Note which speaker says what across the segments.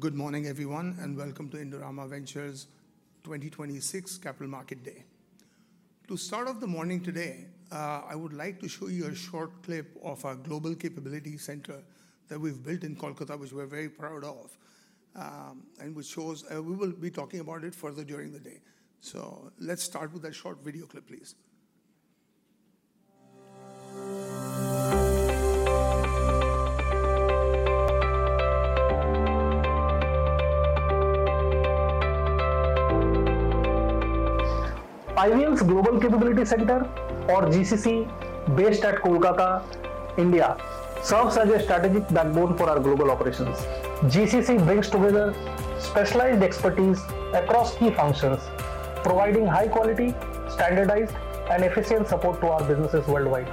Speaker 1: Good morning, everyone, welcome to Indorama Ventures 2026 Capital Market Day. To start off the morning today, I would like to show you a short clip of our Global Capability Center that we've built in Kolkata, which we're very proud of. We will be talking about it further during the day. Let's start with a short video clip, please.
Speaker 2: IVM's Global Capability Center, or GCC, based at Kolkata, India, serves as a strategic backbone for our global operations. GCC brings together specialized expertise across key functions, providing high quality, standardized, and efficient support to our businesses worldwide.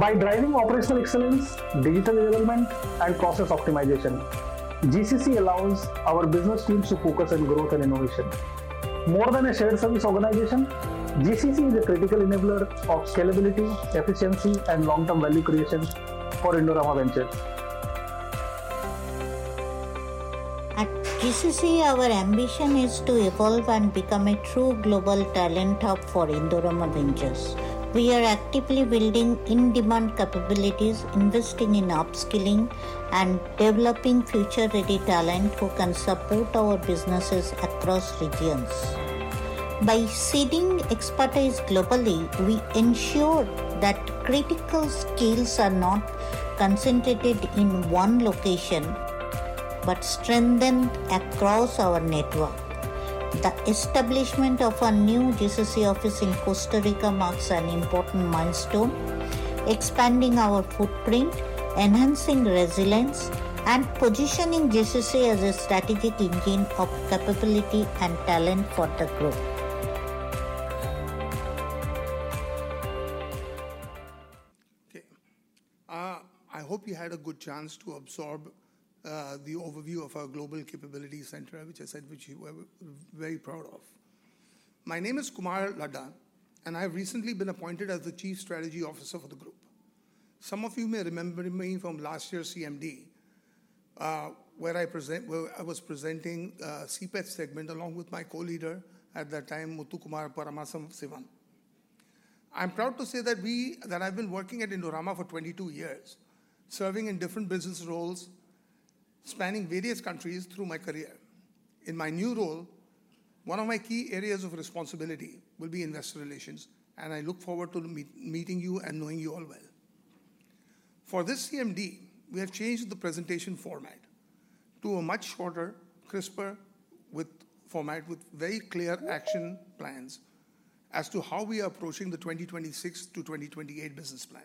Speaker 2: By driving operational excellence, digital development, and process optimization, GCC allows our business teams to focus on growth and innovation. More than a shared service organization, GCC is a critical enabler of scalability, efficiency, and long-term value creation for Indorama Ventures.
Speaker 3: At GCC, our ambition is to evolve and become a true global talent hub for Indorama Ventures. We are actively building in-demand capabilities, investing in upskilling, and developing future-ready talent who can support our businesses across regions. By seeding expertise globally, we ensure that critical skills are not concentrated in one location but strengthened across our network. The establishment of a new GCC office in Costa Rica marks an important milestone, expanding our footprint, enhancing resilience, and positioning GCC as a strategic engine of capability and talent for the group.
Speaker 1: Okay. I hope you had a good chance to absorb the overview of our Global Capability Center, which I said, which we were very proud of. My name is Kumar Ladha. I've recently been appointed as the chief strategy officer for the group. Some of you may remember me from last year's CMD, where I was presenting CPET segment along with my co-leader at that time, Muthukumar Paramasivam. I'm proud to say that I've been working at Indorama for 22 years, serving in different business roles, spanning various countries through my career. In my new role, one of my key areas of responsibility will be investor relations. I look forward to meeting you and knowing you all well. For this CMD, we have changed the presentation format to a much shorter, crisper, with format with very clear action plans as to how we are approaching the 2026-2028 business plan.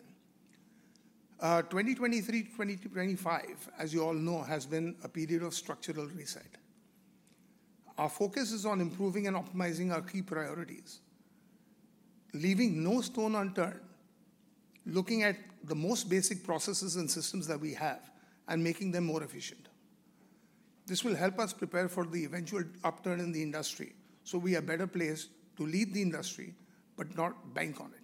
Speaker 1: 2023-2025, as you all know, has been a period of structural reset. Our focus is on improving and optimizing our key priorities, leaving no stone unturned, looking at the most basic processes and systems that we have and making them more efficient. This will help us prepare for the eventual upturn in the industry, so we are better placed to lead the industry but not bank on it.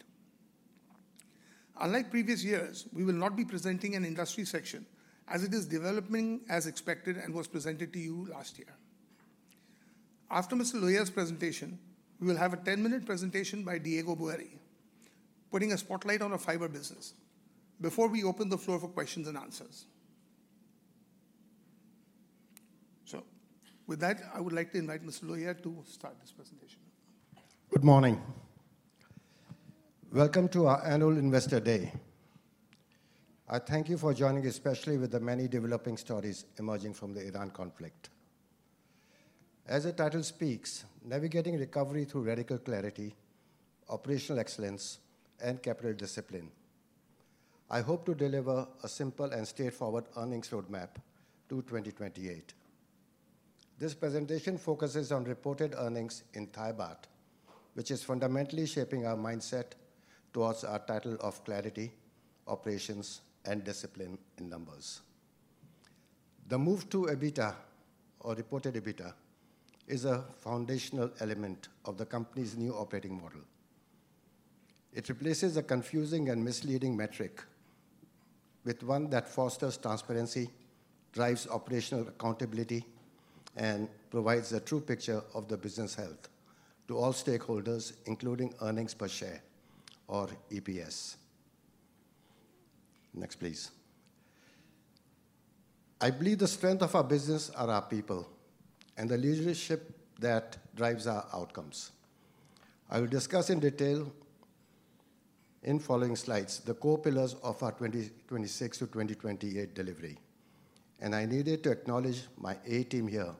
Speaker 1: Unlike previous years, we will not be presenting an industry section as it is developing as expected and was presented to you last year. After Mr. Lohia's presentation, we will have a 10-minute presentation by Diego Boeri, putting a spotlight on our Fiber business before we open the floor for questions and answers. With that, I would like to invite Mr. Lohia to start this presentation.
Speaker 4: Good morning. Welcome to our annual Investor Day. I thank you for joining, especially with the many developing stories emerging from the Iran conflict. As the title speaks, Navigating Recovery Through Radical Clarity, Operational Excellence, and Capital Discipline, I hope to deliver a simple and straightforward earnings roadmap to 2028. This presentation focuses on reported earnings Thai baht, which is fundamentally shaping our mindset towards our title of clarity, operations, and discipline in numbers. The move to EBITDA, or reported EBITDA, is a foundational element of the company's new operating model. It replaces a confusing and misleading metric with one that fosters transparency, drives operational accountability, and provides a true picture of the business health to all stakeholders, including earnings per share or EPS. Next, please. I believe the strength of our business are our people and the leadership that drives our outcomes. I will discuss in detail in following slides the core pillars of our 2026-2028 delivery, and I needed to acknowledge my A team here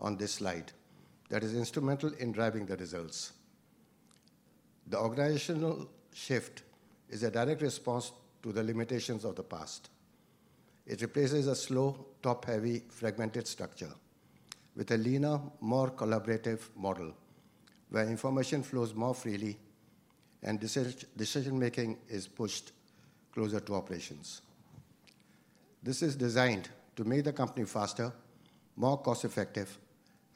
Speaker 4: on this slide that is instrumental in driving the results. The organizational shift is a direct response to the limitations of the past. It replaces a slow, top-heavy, fragmented structure with a leaner, more collaborative model where information flows more freely and decision-making is pushed closer to operations. This is designed to make the company faster, more cost-effective,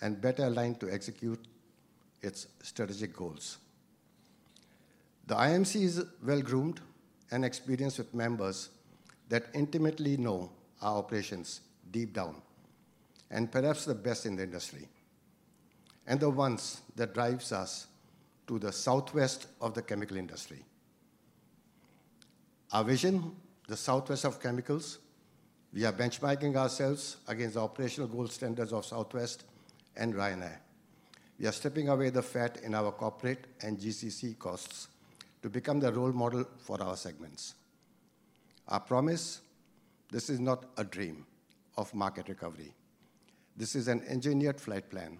Speaker 4: and better aligned to execute its strategic goals. The IMC is well-groomed and experienced with members that intimately know our operations deep down, and perhaps the best in the industry, and the ones that drives us to the Southwest of the chemical industry. Our vision, the Southwest of chemicals. We are benchmarking ourselves against the operational gold standards of Southwest and Ryanair. We are stripping away the fat in our corporate and GCC costs to become the role model for our segments. Our promise. This is not a dream of market recovery. This is an engineered flight plan.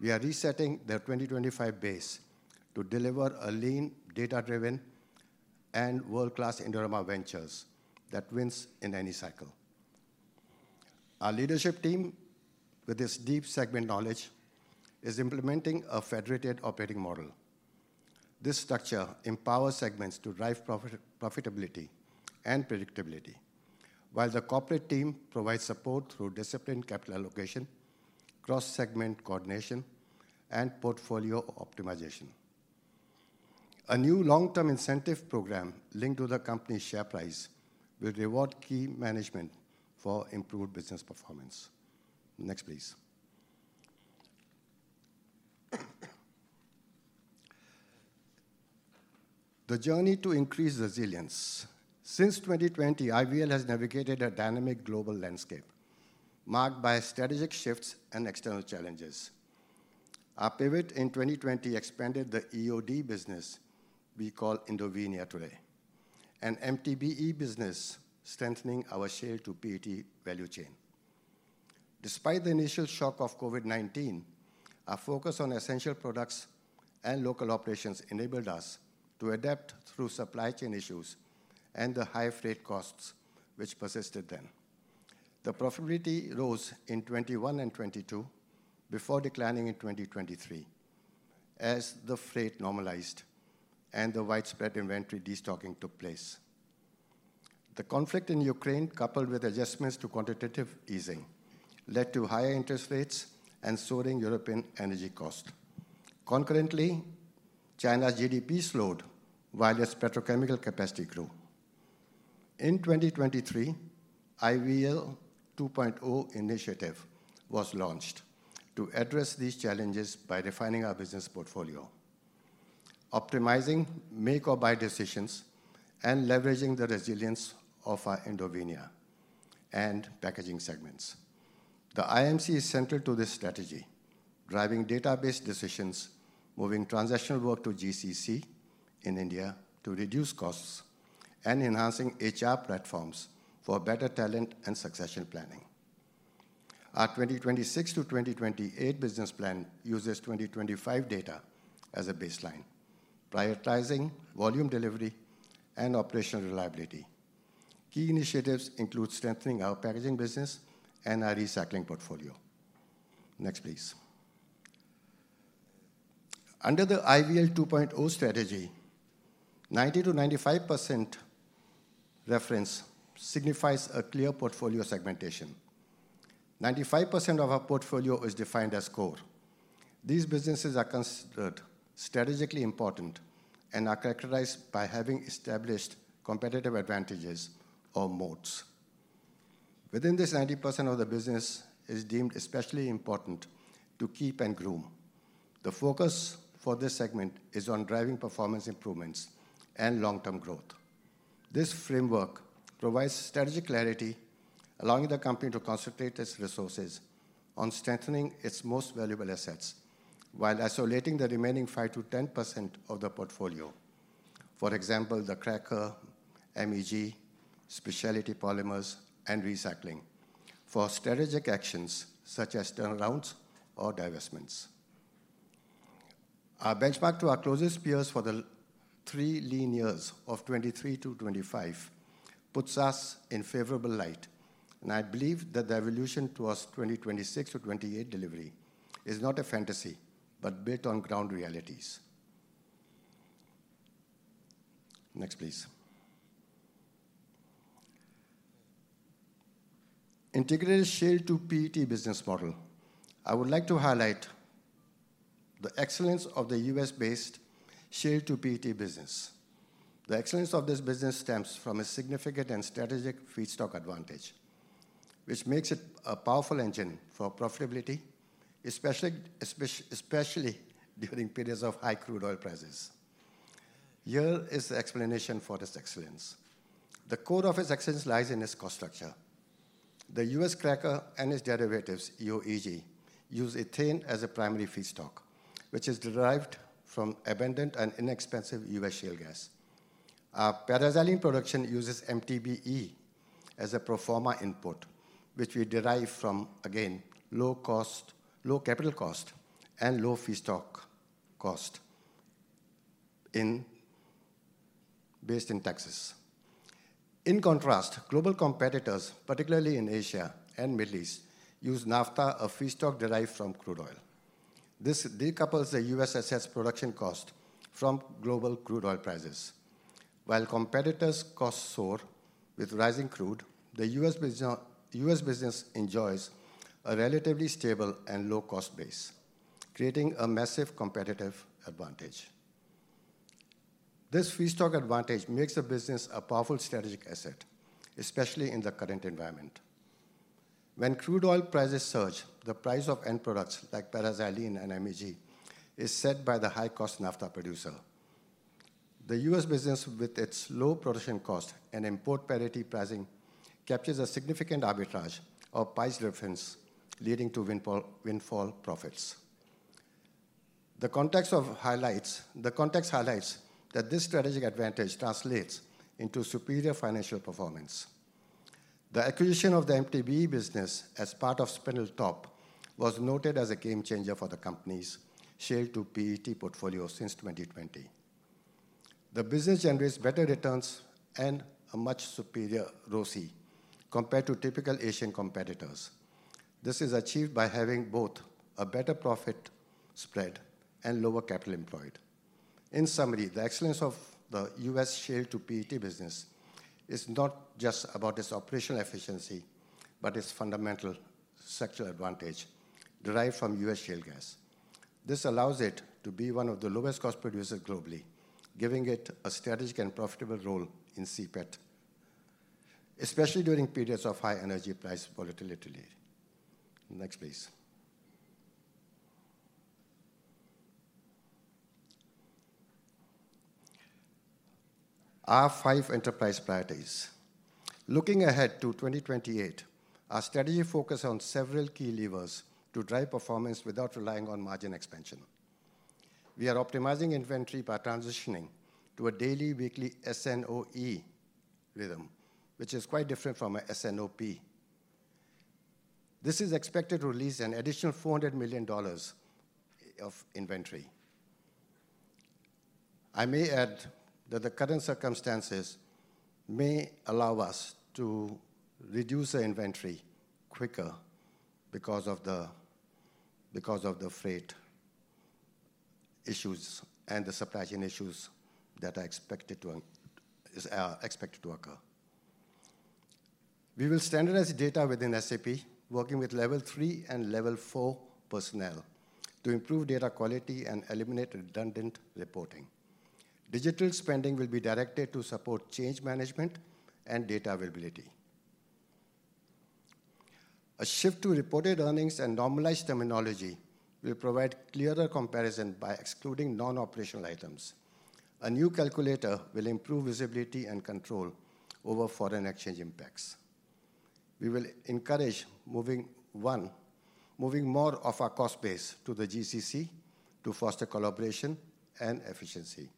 Speaker 4: We are resetting the 2025 base to deliver a lean, data-driven, and world-class Indorama Ventures that wins in any cycle. Our leadership team, with this deep segment knowledge, is implementing a federated operating model. This structure empowers segments to drive profit, profitability and predictability, while the corporate team provides support through disciplined capital allocation, cross-segment coordination, and portfolio optimization. A new long-term incentive program linked to the company's share price will reward key management for improved business performance. Next, please. The journey to increase resilience. Since 2020, IVL has navigated a dynamic global landscape marked by strategic shifts and external challenges. Our pivot in 2020 expanded the IOD business we call Indovinya today, and MTBE business strengthening our share to PET value chain. Despite the initial shock of COVID-19, our focus on essential products and local operations enabled us to adapt through supply chain issues and the high freight costs which persisted then. The profitability rose in 2021 and 2022 before declining in 2023 as the freight normalized and the widespread inventory destocking took place. The conflict in Ukraine, coupled with adjustments to quantitative easing, led to higher interest rates and soaring European energy cost. Concurrently, China's GDP slowed while its petrochemical capacity grew. In 2023, IVL 2.0 initiative was launched to address these challenges by refining our business portfolio, optimizing make or buy decisions, and leveraging the resilience of our Indovinya and packaging segments. The IMC is central to this strategy, driving database decisions, moving transactional work to GCC in India to reduce costs, and enhancing HR platforms for better talent and succession planning. Our 2026-2028 business plan uses 2025 data as a baseline, prioritizing volume delivery and operational reliability. Key initiatives include strengthening our packaging business and our recycling portfolio. Next, please. Under the IVL 2.0 strategy, 90%-95% reference signifies a clear portfolio segmentation. 95% of our portfolio is defined as core. These businesses are considered strategically important and are characterized by having established competitive advantages or moats. Within this, 90% of the business is deemed especially important to keep and groom. The focus for this segment is on driving performance improvements and long-term growth. This framework provides strategic clarity, allowing the company to concentrate its resources on strengthening its most valuable assets while isolating the remaining 5%-10% of the portfolio. For example, the cracker, MEG, specialty polymers, and recycling for strategic actions such as turnarounds or divestments. Our benchmark to our closest peers for the three lean years of 2023-2025 puts us in favorable light, I believe that the evolution towards 2026-2028 delivery is not a fantasy but built on ground realities. Next, please. Integrated share to PET business model. I would like to highlight the excellence of the U.S.-based share to PET business. The excellence of this business stems from a significant and strategic feedstock advantage, which makes it a powerful engine for profitability, especially during periods of high crude oil prices. Here is the explanation for this excellence. The core of its excellence lies in its cost structure. The U.S. cracker and its derivatives, EO/EG, use ethane as a primary feedstock, which is derived from abundant and inexpensive U.S. shale gas. Our paraxylene production uses MTBE as a pro forma input, which we derive from, again, low cost, low capital cost and low feedstock cost in, based in Texas. In contrast, global competitors, particularly in Asia and Middle East, use naphtha, a feedstock derived from crude oil. This decouples the U.S. assets' production cost from global crude oil prices. While competitors' costs soar with rising crude, the U.S. business enjoys a relatively stable and low cost base, creating a massive competitive advantage. This feedstock advantage makes the business a powerful strategic asset, especially in the current environment. When crude oil prices surge, the price of end products like paraxylene and MEG is set by the high-cost naphtha producer. The U.S. business, with its low production cost and import parity pricing, captures a significant arbitrage of price difference, leading to windfall profits. The context highlights that this strategic advantage translates into superior financial performance. The acquisition of the MTBE business as part of Spindletop was noted as a game-changer for the company's shale-to-PET portfolio since 2020. The business generates better returns and a much superior ROCE compared to typical Asian competitors. This is achieved by having both a better profit spread and lower capital employed. In summary, the excellence of the U.S. shale-to-PET business is not just about its operational efficiency, but its fundamental structural advantage derived from U.S. shale gas. This allows it to be one of the lowest cost producers globally, giving it a strategic and profitable role in CPET, especially during periods of high energy price volatility. Next, please. Our five enterprise priorities. Looking ahead to 2028, our strategy focus on several key levers to drive performance without relying on margin expansion. We are optimizing inventory by transitioning to a daily, weekly S&OE rhythm, which is quite different from a S&OP. This is expected to release an additional $400 million of inventory. I may add that the current circumstances may allow us to reduce the inventory quicker because of the freight issues and the supply chain issues that are expected to occur. We will standardize data within SAP, working with level three and level four personnel to improve data quality and eliminate redundant reporting. Digital spending will be directed to support change management and data availability. A shift to reported earnings and normalized terminology will provide clearer comparison by excluding non-operational items. A new calculator will improve visibility and control over foreign exchange impacts. We will encourage moving more of our cost base to the GCC to foster collaboration and efficiency.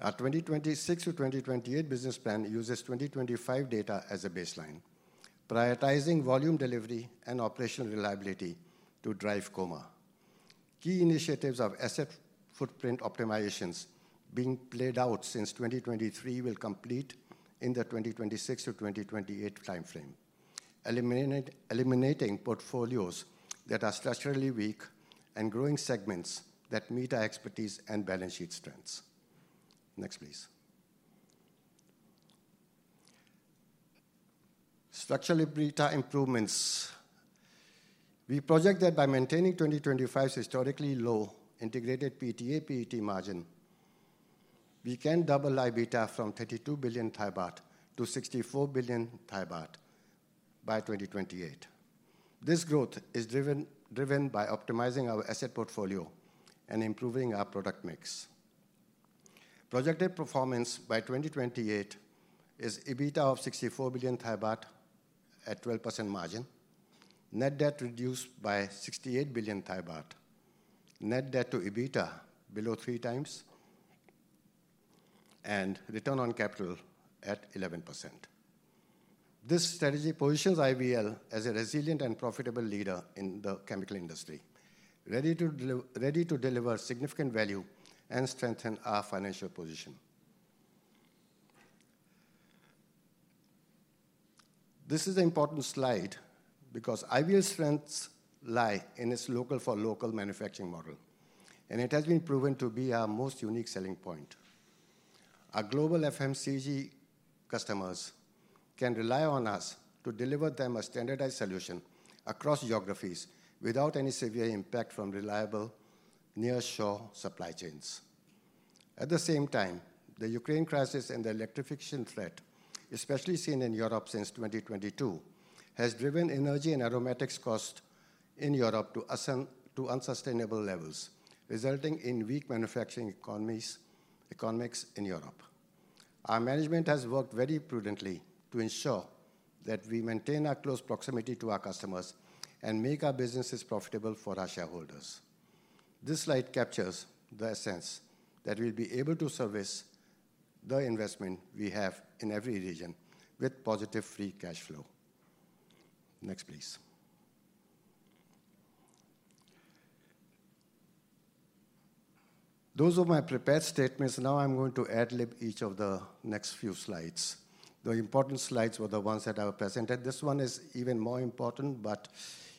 Speaker 4: Our 2026-2028 business plan uses 2025 data as a baseline, prioritizing volume delivery and operational reliability to drive COMA. Key initiatives of asset footprint optimizations being played out since 2023 will complete in the 2026-2028 timeframe. Eliminating portfolios that are structurally weak and growing segments that meet our expertise and balance sheet strengths. Next, please. Structural EBITDA improvements. We project that by maintaining 2025's historically low integrated PTA/PET margin, we can double our EBITDA from 32 billion-64 billion baht by 2028. This growth is driven by optimizing our asset portfolio and improving our product mix. Projected performance by 2028 is EBITDA of 64 billion baht at 12% margin, net debt reduced by 68 billion baht, net debt to EBITDA below 3x, and return on capital at 11%. This strategy positions IVL as a resilient and profitable leader in the chemical industry, ready to deliver significant value and strengthen our financial position. This is an important slide because IVL's strengths lie in its local-for-local manufacturing model, and it has been proven to be our most unique selling point. Our global FMCG customers can rely on us to deliver them a standardized solution across geographies without any severe impact from reliable nearshore supply chains. At the same time, the Ukraine crisis and the electrification threat, especially seen in Europe since 2022, has driven energy and aromatics cost in Europe to unsustainable levels, resulting in weak manufacturing economies in Europe. Our management has worked very prudently to ensure that we maintain our close proximity to our customers and make our businesses profitable for our shareholders. This slide captures the essence that we'll be able to service the investment we have in every region with positive free cash flow. Next, please. Those were my prepared statements. Now I'm going to ad-lib each of the next few slides. The important slides were the ones that I presented. This one is even more important,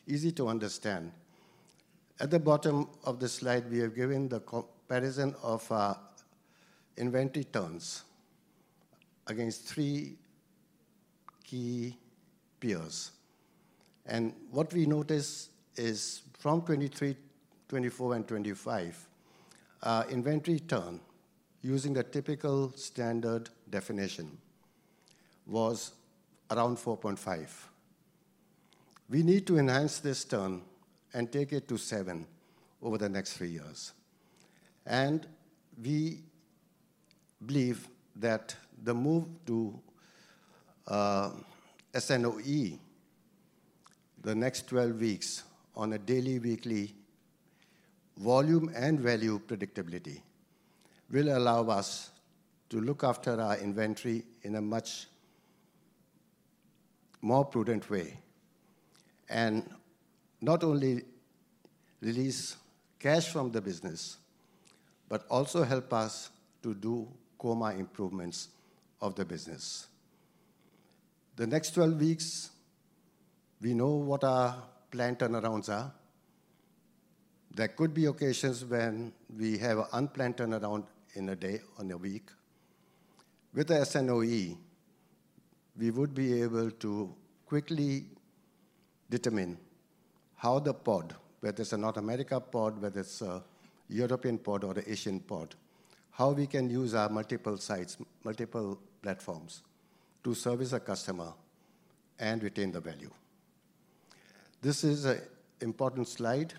Speaker 4: easy to understand. At the bottom of the slide, we have given the comparison of inventory turns against three key peers. What we notice is from 2023, 2024 and 2025, inventory turn, using the typical standard definition, was around 4.5. We need to enhance this turn and take it to seven over the next three years. We believe that the move to S&OE, the next 12 weeks on a daily, weekly volume and value predictability, will allow us to look after our inventory in a much more prudent way. Not only release cash from the business, but also help us to do COMAG improvements of the business. The next 12 weeks, we know what our plant turnarounds are. There could be occasions when we have an unplanned turnaround in a day, on a week. With the S&OE, we would be able to quickly determine how the pod, whether it's a North America pod, whether it's a European pod or the Asian pod, how we can use our multiple sites, multiple platforms to service a customer and retain the value. This is a important slide,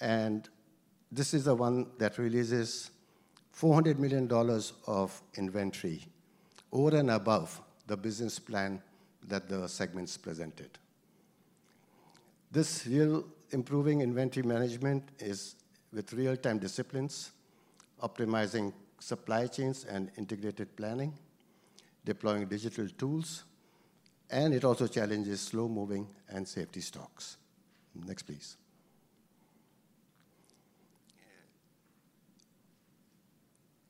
Speaker 4: and this is the one that releases $400 million of inventory over and above the business plan that the segments presented. This real improving inventory management is with real-time disciplines, optimizing supply chains and integrated planning, deploying digital tools, and it also challenges slow-moving and safety stocks. Next, please.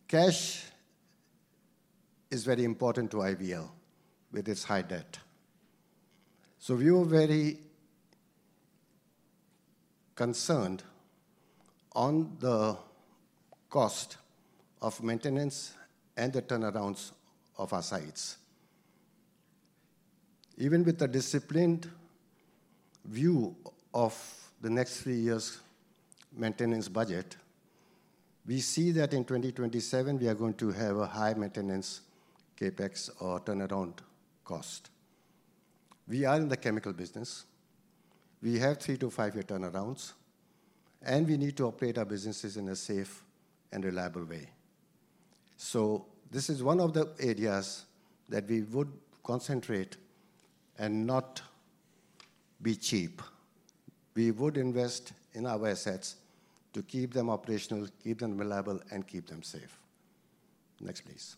Speaker 4: Cash is very important to IVL with its high debt. We were very concerned on the cost of maintenance and the turnarounds of our sites. Even with a disciplined view of the next three years' maintenance budget, we see that in 2027 we are going to have a high maintenance CapEx or turnaround cost. We are in the chemical business. We have thre to five year turnarounds, and we need to operate our businesses in a safe and reliable way. This is one of the areas that we would concentrate and not be cheap. We would invest in our assets to keep them operational, keep them reliable, and keep them safe. Next, please.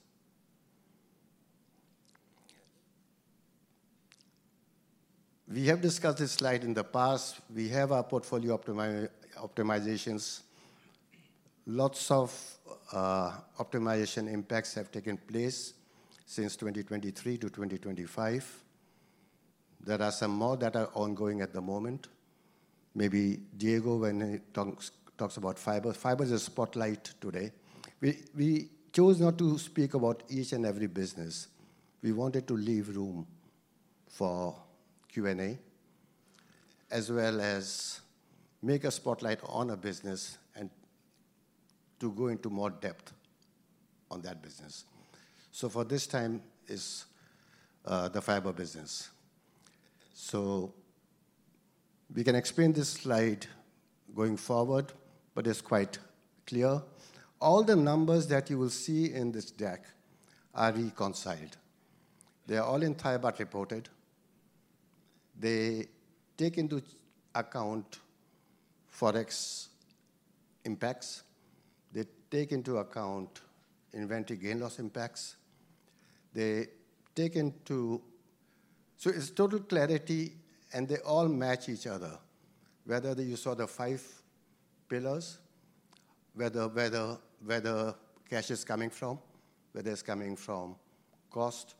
Speaker 4: We have discussed this slide in the past. We have our portfolio optimizations. Lots of optimization impacts have taken place since 2023 to 2025. There are some more that are ongoing at the moment. Maybe Diego, when he talks about Fiber. Fiber is a spotlight today. We chose not to speak about each and every business. We wanted to leave room for Q&A, as well as make a spotlight on a business and to go into more depth on that business. For this time, it's the Fiber business. We can explain this slide going forward, but it's quite clear. All the numbers that you will see in this deck are reconciled. They are all in Thai baht reported. They take into account Forex impacts. They take into account inventory gain loss impacts. They take into. It's total clarity, and they all match each other. Whether you saw the five pillars, whether, where the cash is coming from, whether it's coming from cost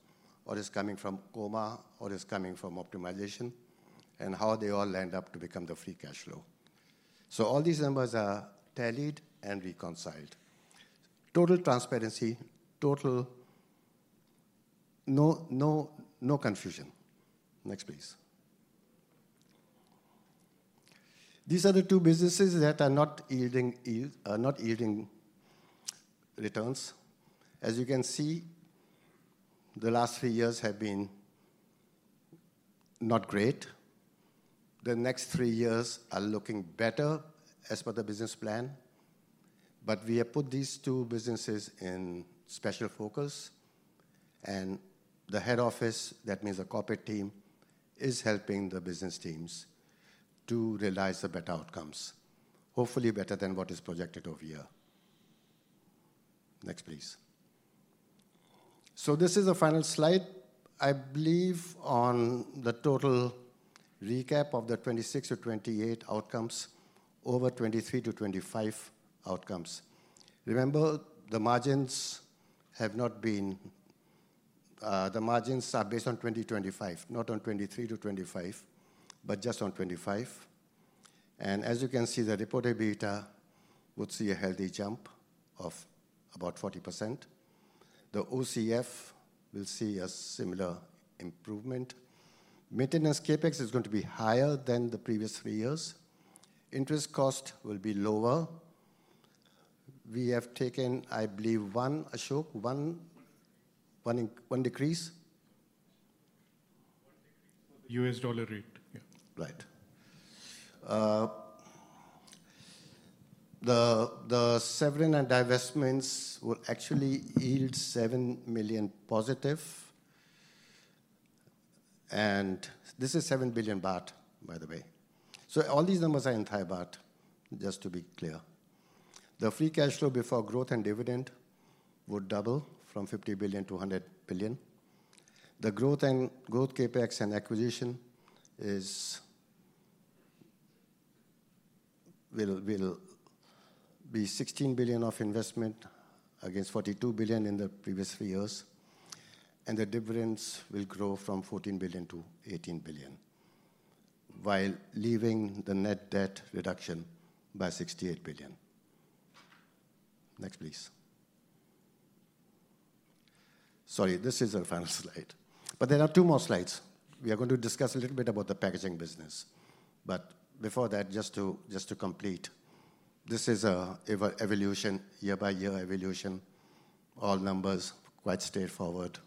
Speaker 4: or it's coming from COMA or it's coming from optimization, and how they all end up to become the free cash flow. All these numbers are tallied and reconciled. Total transparency, total no confusion. Next, please. These are the two businesses that are not yielding yield, are not yielding returns. As you can see, the last three years have been not great. The next three years are looking better as per the business plan. We have put these two businesses in special focus, and the head office, that means the corporate team, is helping the business teams to realize the better outcomes, hopefully better than what is projected over here. Next, please. This is the final slide. I believe on the total recap of the 2026-2028 outcomes over 2023-2025 outcomes. Remember, the margins have not been, the margins are based on 2025, not on 2023-2025, but just on 2025. As you can see, the reported EBITDA would see a healthy jump of about 40%. The OCF will see a similar improvement. Maintenance CapEx is going to be higher than the previous three years. Interest cost will be lower. We have taken, I believe, one, Ashok, one decrease?
Speaker 5: One decrease for the U.S. dollar rate, yeah.
Speaker 4: Right. The severance and divestments will actually yield seven million positive. This is 7 billion baht, by the way. All these numbers are in Thai baht, just to be clear. The free cash flow before growth and dividend would double from 50 billion-100 billion. The growth and growth CapEx and acquisition will be 16 billion of investment against 42 billion in the previous three years. The difference will grow from 14 billion-18 billion while leaving the net debt reduction by 68 billion. Next, please. Sorry, this is the final slide. There are two more slides. We are going to discuss a little bit about the packaging business. Before that, just to complete, this is an evolution, year-by-year evolution. All numbers quite straightforward,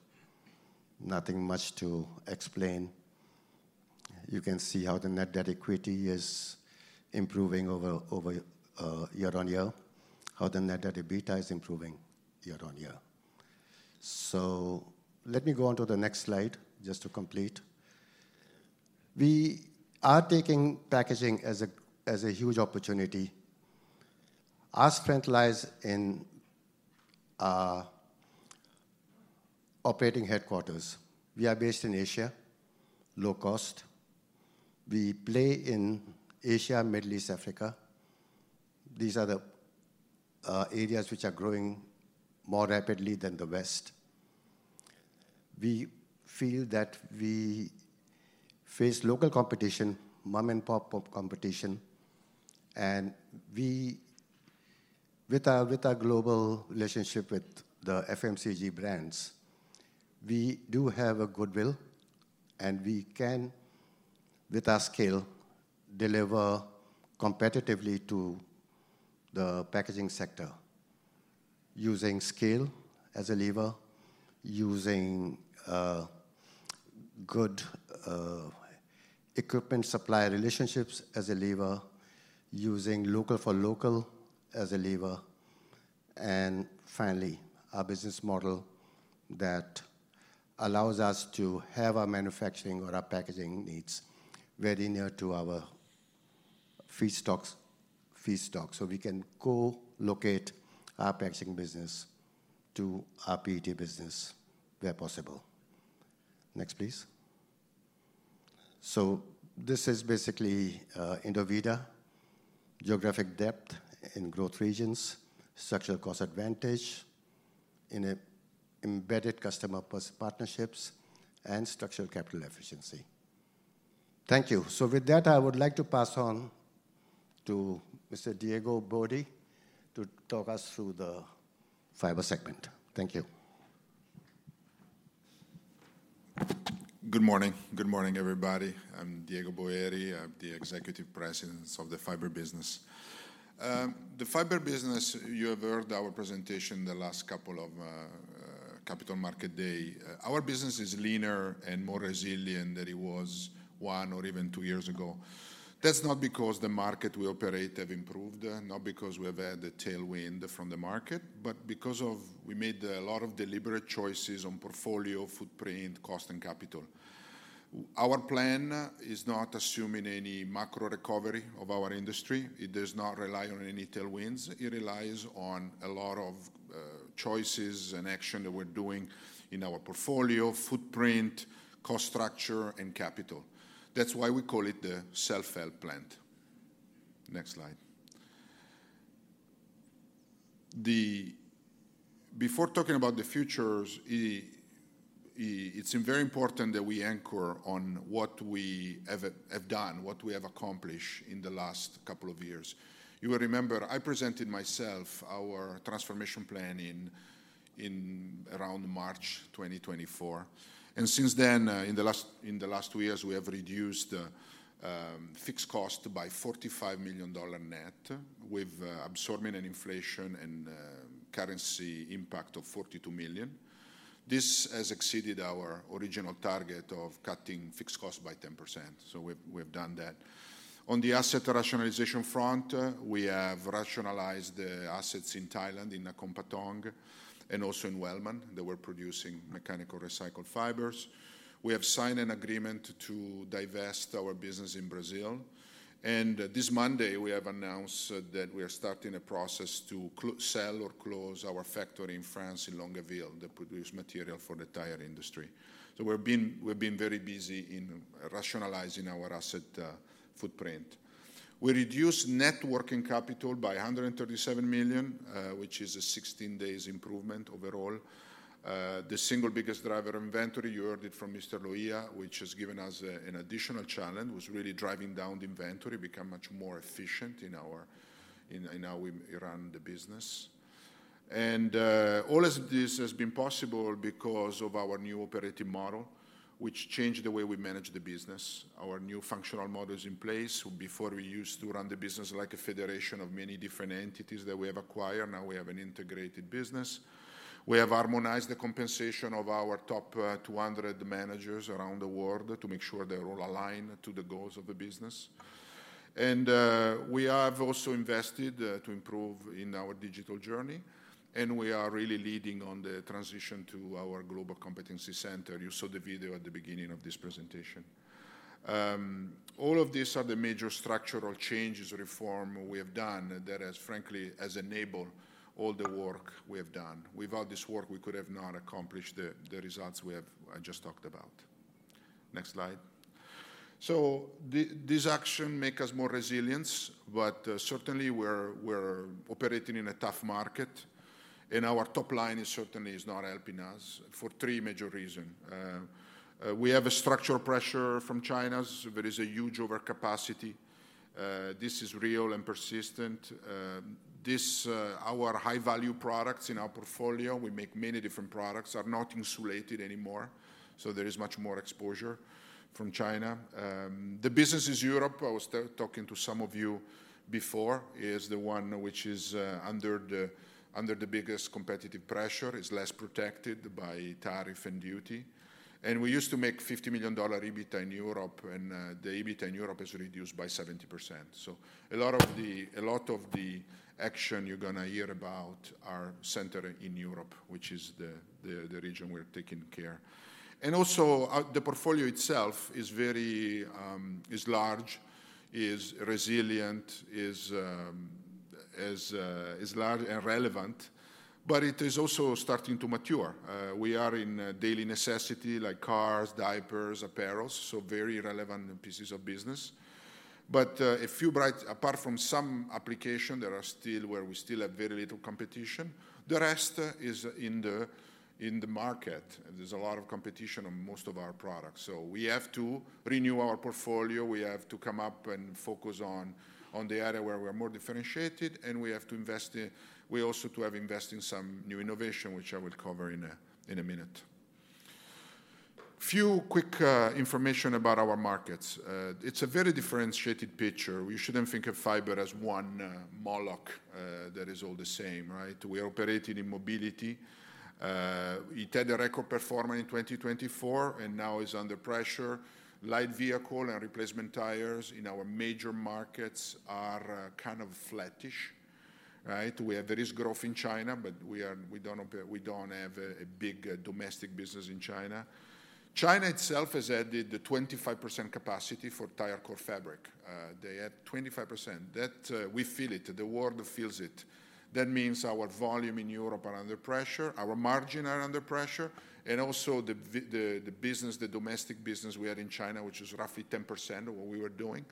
Speaker 4: nothing much to explain. You can see how the net debt equity is improving over year-on-year, how the net debt EBITDA is improving year-on-year. Let me go on to the next slide just to complete. We are taking packaging as a huge opportunity. Our strength lies in our operating headquarters. We are based in Asia, low cost. We play in Asia, Middle East, Africa. These are the areas which are growing more rapidly than the West. We feel that we face local competition, mom-and-pop competition, and we with our global relationship with the FMCG brands, we do have a goodwill, and we can, with our scale, deliver competitively to the packaging sector using scale as a lever, using good equipment supplier relationships as a lever, using local for local as a lever, and finally, our business model that allows us to have our manufacturing or our packaging needs very near to our feedstocks, so we can co-locate our packaging business to our PET business where possible. Next, please. This is basically Indovida geographic depth in growth regions, structural cost advantage in a embedded customer partnerships, and structural capital efficiency. Thank you. With that, I would like to pass on to Mr. Diego Boeri to talk us through the Fiber segment. Thank you.
Speaker 6: Good morning. Good morning, everybody. I'm Diego Boeri. I'm the Executive President of the Fiber business. The Fiber business, you have heard our presentation the last couple of Capital Market Day. Our business is leaner and more resilient than it was one or even two years ago. That's not because the market we operate have improved, not because we have had the tailwind from the market, but because of we made a lot of deliberate choices on portfolio, footprint, cost, and capital. Our plan is not assuming any macro recovery of our industry. It does not rely on any tailwinds. It relies on a lot of choices and action that we're doing in our portfolio, footprint, cost structure, and capital. That's why we call it the self-help plant. Next slide. Before talking about the futures, it's very important that we anchor on what we have done, what we have accomplished in the last couple of years. You will remember I presented myself our transformation plan in around March 2024. Since then, in the last two years, we have reduced fixed cost by $45 million net with absorbing an inflation and currency impact of $42 million. This has exceeded our original target of cutting fixed cost by 10%. We've done that. On the asset rationalization front, we have rationalized the assets in Thailand, in Akompatong, and also in Wellman. They were producing mechanical recycled Fibers. We have signed an agreement to divest our business in Brazil. This Monday, we have announced that we are starting a process to sell or close our factory in France, in Longlaville, that produce material for the tire industry. We've been very busy in rationalizing our asset footprint. We reduced net working capital by $137 million, which is a 16 days improvement overall. The single biggest driver inventory, you heard it from Mr. Lohia, which has given us an additional challenge, was really driving down the inventory, become much more efficient in our, in how we run the business. All of this has been possible because of our new operating model, which changed the way we manage the business. Our new functional model is in place. Before we used to run the business like a federation of many different entities that we have acquired. Now we have an integrated business. We have harmonized the compensation of our top, 200 managers around the world to make sure they're all aligned to the goals of the business. We have also invested to improve in our digital journey, and we are really leading on the transition to our global competency center. You saw the video at the beginning of this presentation. All of these are the major structural changes, reform we have done that has frankly has enabled all the work we have done. Without this work, we could have not accomplished the results we have I just talked about. Next slide. This action make us more resilience, certainly we're operating in a tough market, and our top line is certainly is not helping us for three major reason. We have a structural pressure from China. There is a huge overcapacity. This is real and persistent. This, our high-value products in our portfolio, we make many different products, are not insulated anymore, so there is much more exposure from China. The businesses Europe, I was talking to some of you before, is the one which is under the biggest competitive pressure, is less protected by tariff and duty. We used to make $50 million EBITDA in Europe, the EBITDA in Europe is reduced by 70%. A lot of the action you're gonna hear about are centered in Europe, which is the region we're taking care. The portfolio itself is very, is large, is resilient, is large and relevant, but it is also starting to mature. We are in daily necessity like cars, diapers, apparels, so very relevant pieces of business. Apart from some application, there are still, where we still have very little competition, the rest is in the, in the market. There's a lot of competition on most of our products. We have to renew our portfolio, we have to come up and focus on the area where we are more differentiated, and we have to invest in, we also to have invest in some new innovation, which I will cover in a, in a minute. Few quick information about our markets. It's a very differentiated picture. We shouldn't think of Fiber as one moloch that is all the same, right? We are operating in mobility. It had a record performer in 2024 and now is under pressure. Light vehicle and replacement tires in our major markets are kind of flattish, right? There is growth in China, but we are, we don't have a big domestic business in China. China itself has added the 25% capacity for tire cord fabric. They add 25%. That, we feel it. The world feels it. That means our volume in Europe are under pressure, our margin are under pressure, and also the business, the domestic business we had in China, which is roughly 10% of what we were doing,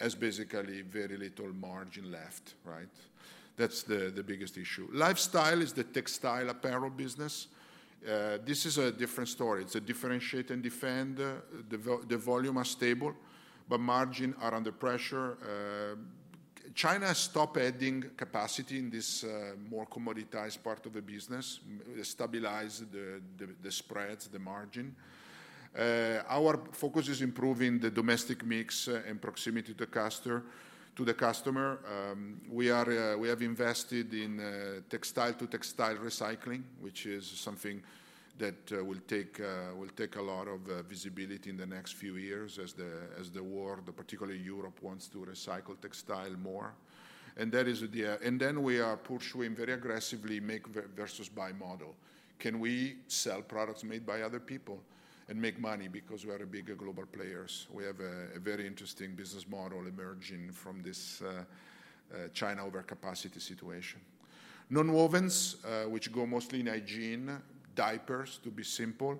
Speaker 6: has basically very little margin left, right? That's the biggest issue. Lifestyle is the textile apparel business. This is a different story. It's a differentiate and defend. The volume are stable, but margin are under pressure. China stop adding capacity in this more commoditized part of the business, stabilize the spreads, the margin. Our focus is improving the domestic mix and proximity to the customer. We have invested in textile-to-textile recycling, which is something that will take a lot of visibility in the next few years as the world, particularly Europe, wants to recycle textile more. That is the. Then we are pursuing very aggressively make versus buy model. Can we sell products made by other people and make money because we are a bigger global players? We have a very interesting business model emerging from this China overcapacity situation. Nonwovens, which go mostly in hygiene, diapers, to be simple,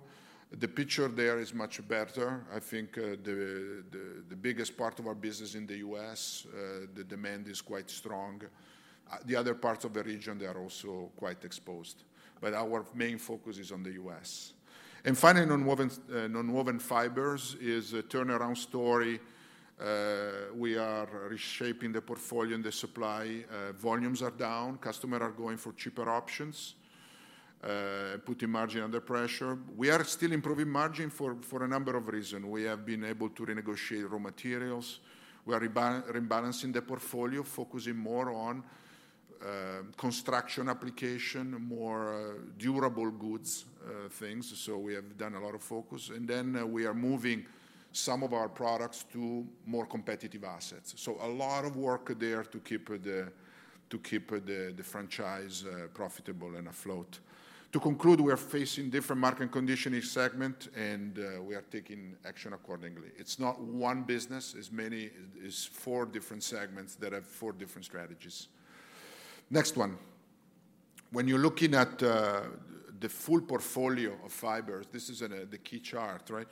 Speaker 6: the picture there is much better. I think, the biggest part of our business in the U.S., the demand is quite strong. The other parts of the region, they are also quite exposed, but our main focus is on the U.S. Finally, nonwovens, nonwoven Fibers is a turnaround story. We are reshaping the portfolio and the supply. Volumes are down. Customer are going for cheaper options, putting margin under pressure. We are still improving margin for a number of reason. We have been able to renegotiate raw materials. We are rebalancing the portfolio, focusing more on construction application, more durable goods, things. We have done a lot of focus. We are moving some of our products to more competitive assets. A lot of work there to keep the franchise profitable and afloat. To conclude, we are facing different market condition in each segment, and we are taking action accordingly. It's not one business. It is four different segments that have four different strategies. Next one. When you're looking at the full portfolio of Fibers, this is the key chart, right?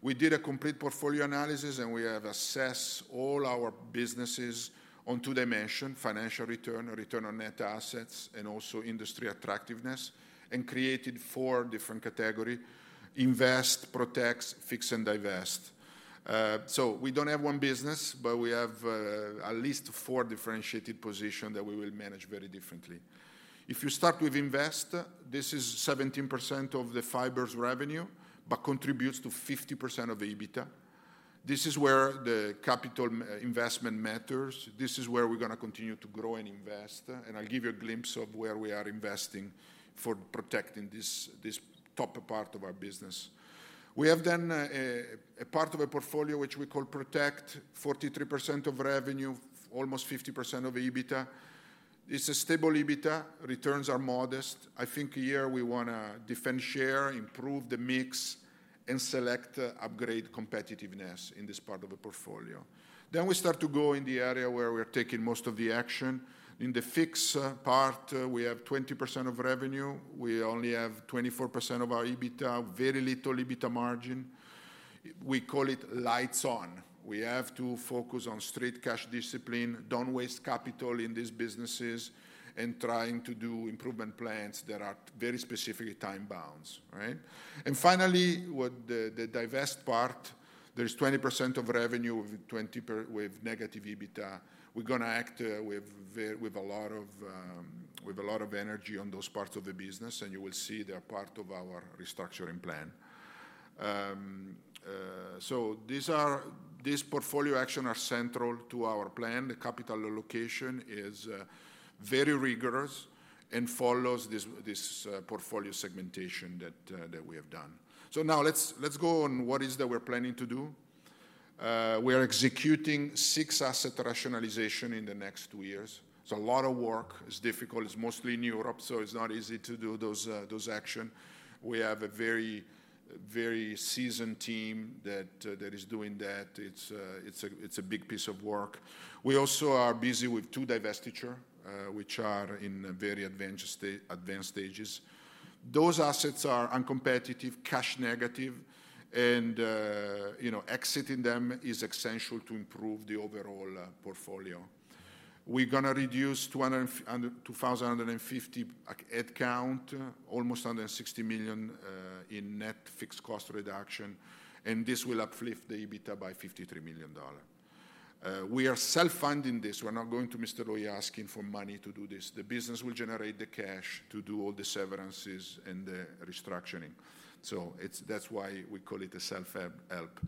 Speaker 6: We did a complete portfolio analysis, and we have assessed all our businesses on two dimensions: financial return or return on net assets, and also industry attractiveness, and created four different categories: invest, protect, fix, and divest. We don't have one business, but we have at least four differentiated positions that we will manage very differently. If you start with invest, this is 17% of the Fibers revenue, but contributes to 50% of EBITDA. This is where the capital investment matters. This is where we're gonna continue to grow and invest. I'll give you a glimpse of where we are investing for protecting this top part of our business. We have then a part of a portfolio which we call Protect, 43% of revenue, almost 50% of EBITDA. It's a stable EBITDA. Returns are modest. I think here we wanna defend share, improve the mix, and select, upgrade competitiveness in this part of the portfolio. We start to go in the area where we're taking most of the action. In the Fix part, we have 20% of revenue. We only have 24% of our EBITDA, very little EBITDA margin. We call it lights on. We have to focus on strict cash discipline, don't waste capital in these businesses, and trying to do improvement plans that are very specifically time-bound, right? Finally, with the Divest part, there's 20% of revenue with 20% with negative EBITDA. We're gonna act with a lot of energy on those parts of the business, and you will see they're part of our restructuring plan. These portfolio action are central to our plan. The capital allocation is very rigorous and follows this portfolio segmentation that we have done. Now let's go on what is that we're planning to do. We are executing six asset rationalization in the next two years. It's a lot of work. It's difficult. It's mostly in Europe, so it's not easy to do those those action. We have a very seasoned team that that is doing that. It's a, it's a big piece of work. We also are busy with two divestiture which are in very advanced stages. Those assets are uncompetitive, cash negative, and, you know, exiting them is essential to improve the overall portfolio. We're gonna reduce 2,050 head count, almost under $60 million in net fixed cost reduction, and this will uplift the EBITDA by $53 million. We are self-funding this. We're not going to Mr. Loiha asking for money to do this. The business will generate the cash to do all the severances and the restructuring. That's why we call it a self-help.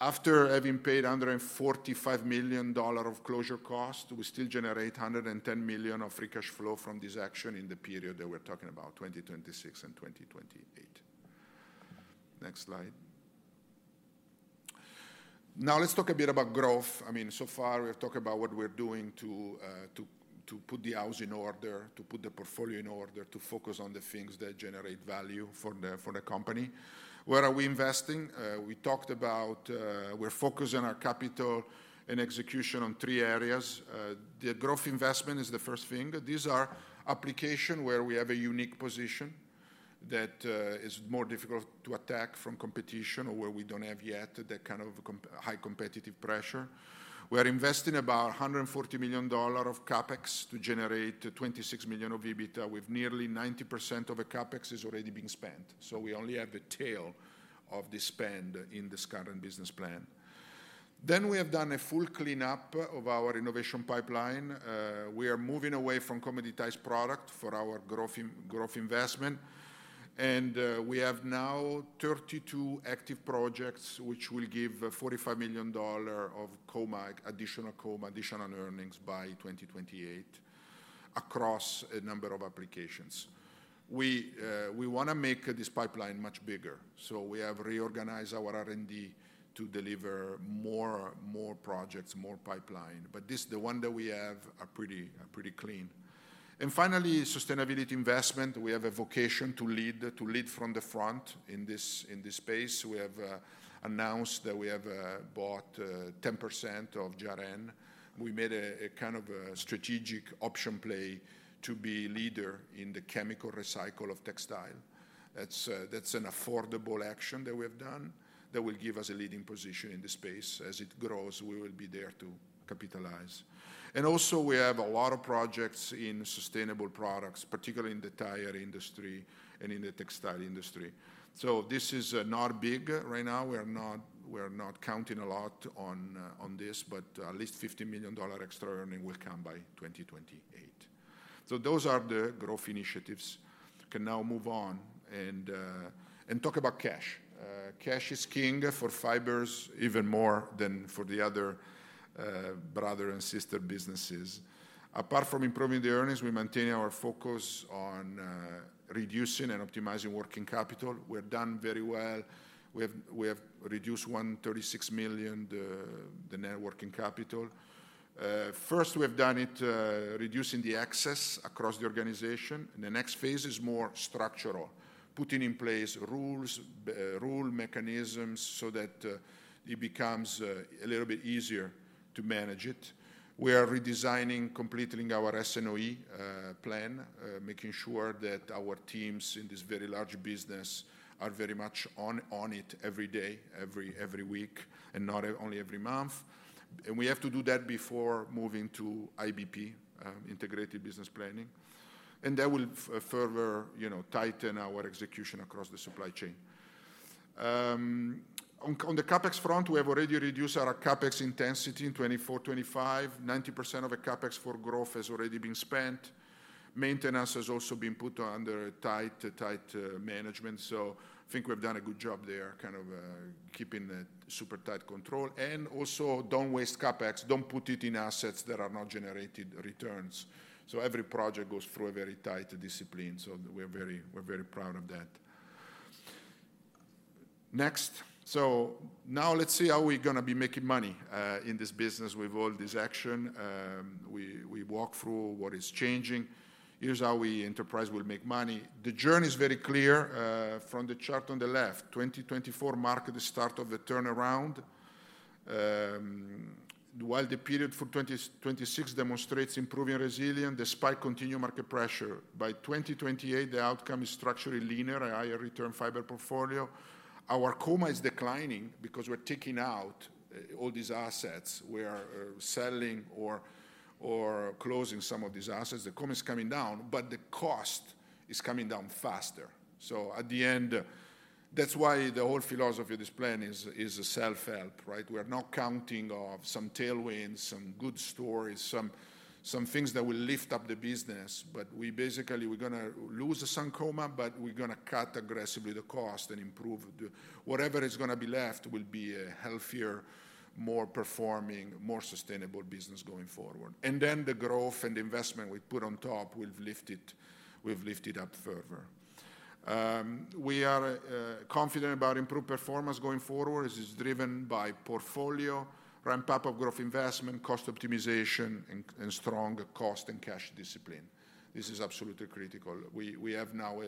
Speaker 6: After having paid under $45 million of closure cost, we still generate $110 million of free cash flow from this action in the period that we're talking about, 2026 and 2028. Next slide. Let's talk a bit about growth. I mean, so far we've talked about what we're doing to put the house in order, to put the portfolio in order, to focus on the things that generate value for the company. Where are we investing? We talked about, we're focused on our capital and execution on three areas. The growth investment is the first thing. These are application where we have a unique position that is more difficult to attack from competition or where we don't have yet that kind of high competitive pressure. We are investing about $140 million of CapEx to generate $26 million of EBITDA, with nearly 90% of the CapEx has already been spent. We only have the tail of the spend in this current business plan. We have done a full cleanup of our innovation pipeline. We are moving away from commoditized product for our growth investment, we have now 32 active projects which will give $45 million of COMAG, additional COMAG, additional earnings by 2028 across a number of applications. We wanna make this pipeline much bigger, we have reorganized our R&D to deliver more projects, more pipeline, this the one that we have are pretty clean. Finally, sustainability investment. We have a vocation to lead from the front in this space. We have announced that we have bought 10% of JRN. We made a kind of a strategic option play to be leader in the chemical recycle of textile. That's an affordable action that we have done that will give us a leading position in the space. As it grows, we will be there to capitalize. Also, we have a lot of projects in sustainable products, particularly in the tire industry and in the textile industry. This is not big right now. We are not, we're not counting a lot on this, but at least $50 million extra earning will come by 2028. Those are the growth initiatives. Can now move on and talk about cash. Cash is king for Fibers even more than for the other brother and sister businesses. Apart from improving the earnings, we maintain our focus on reducing and optimizing working capital. We're done very well. We have reduced $136 million, the net working capital. First we have done it, reducing the excess across the organization, and the next phase is more structural, putting in place rules, rule mechanisms so that it becomes a little bit easier to manage it. We are redesigning, completing our S&OE plan, making sure that our teams in this very large business are very much on it every day, every week, and not only every month. We have to do that before moving to IBP, integrated business planning. That will further, you know, tighten our execution across the supply chain. On the CapEx front, we have already reduced our CapEx intensity in 2024, 2025. 90% of the CapEx for growth has already been spent. Maintenance has also been put under tight management, so I think we've done a good job there, kind of, keeping a super tight control. Also don't waste CapEx, don't put it in assets that are not generating returns. Every project goes through a very tight discipline, so we're very proud of that. Next. Now let's see how we're gonna be making money in this business with all this action. We walk through what is changing. Here's how Enterprise will make money. The journey is very clear from the chart on the left. 2024 marked the start of the turnaround, while the period for 2026 demonstrates improving resilience despite continued market pressure. By 2028, the outcome is structurally leaner and higher return Fiber portfolio. Our COMAG is declining because we're taking out all these assets. We are selling or closing some of these assets. The COMAG is coming down, but the cost is coming down faster. At the end, that's why the whole philosophy of this plan is self-help, right? We are not counting some tailwinds, some good stories, some things that will lift up the business, but we basically, we're gonna lose some COMAG, but we're gonna cut aggressively the cost and improve. Whatever is gonna be left will be a healthier, more performing, more sustainable business going forward. The growth and investment we put on top will lift it up further. We are confident about improved performance going forward. This is driven by portfolio, ramp-up of growth investment, cost optimization, and strong cost and cash discipline. This is absolutely critical. We have now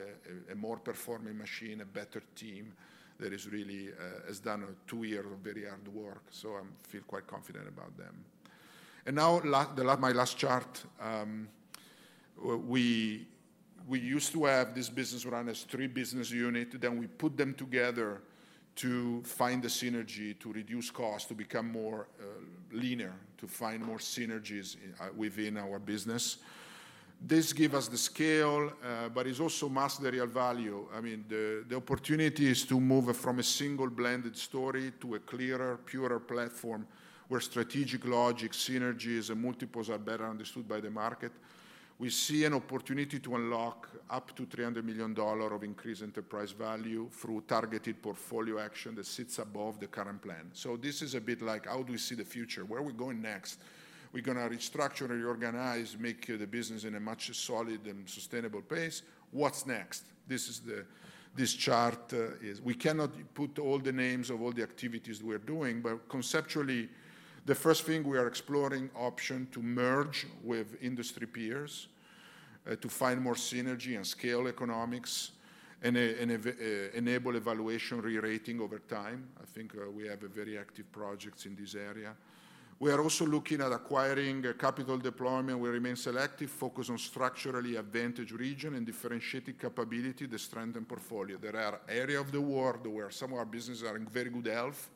Speaker 6: a more performing machine, a better team that is really has done a two-year of very hard work, so I feel quite confident about them. My last chart. We used to have this business run as three business unit, then we put them together to find the synergy to reduce cost, to become more leaner, to find more synergies within our business. This give us the scale, but it also masks the real value. I mean, the opportunity is to move from a single blended story to a clearer, purer platform where strategic logic, synergies, and multiples are better understood by the market. We see an opportunity to unlock up to $300 million of increased enterprise value through targeted portfolio action that sits above the current plan. This is a bit like how do we see the future? Where are we going next? We're gonna restructure, reorganize, make the business in a much solid and sustainable pace. What's next? This chart is, We cannot put all the names of all the activities we're doing, but conceptually, the first thing we are exploring option to merge with industry peers to find more synergy and scale economics and enable evaluation re-rating over time. I think, we have a very active projects in this area. We are also looking at acquiring capital deployment. We remain selective, focused on structurally advantaged region and differentiating capability to strengthen portfolio. There are area of the world where some of our businesses are in very good health.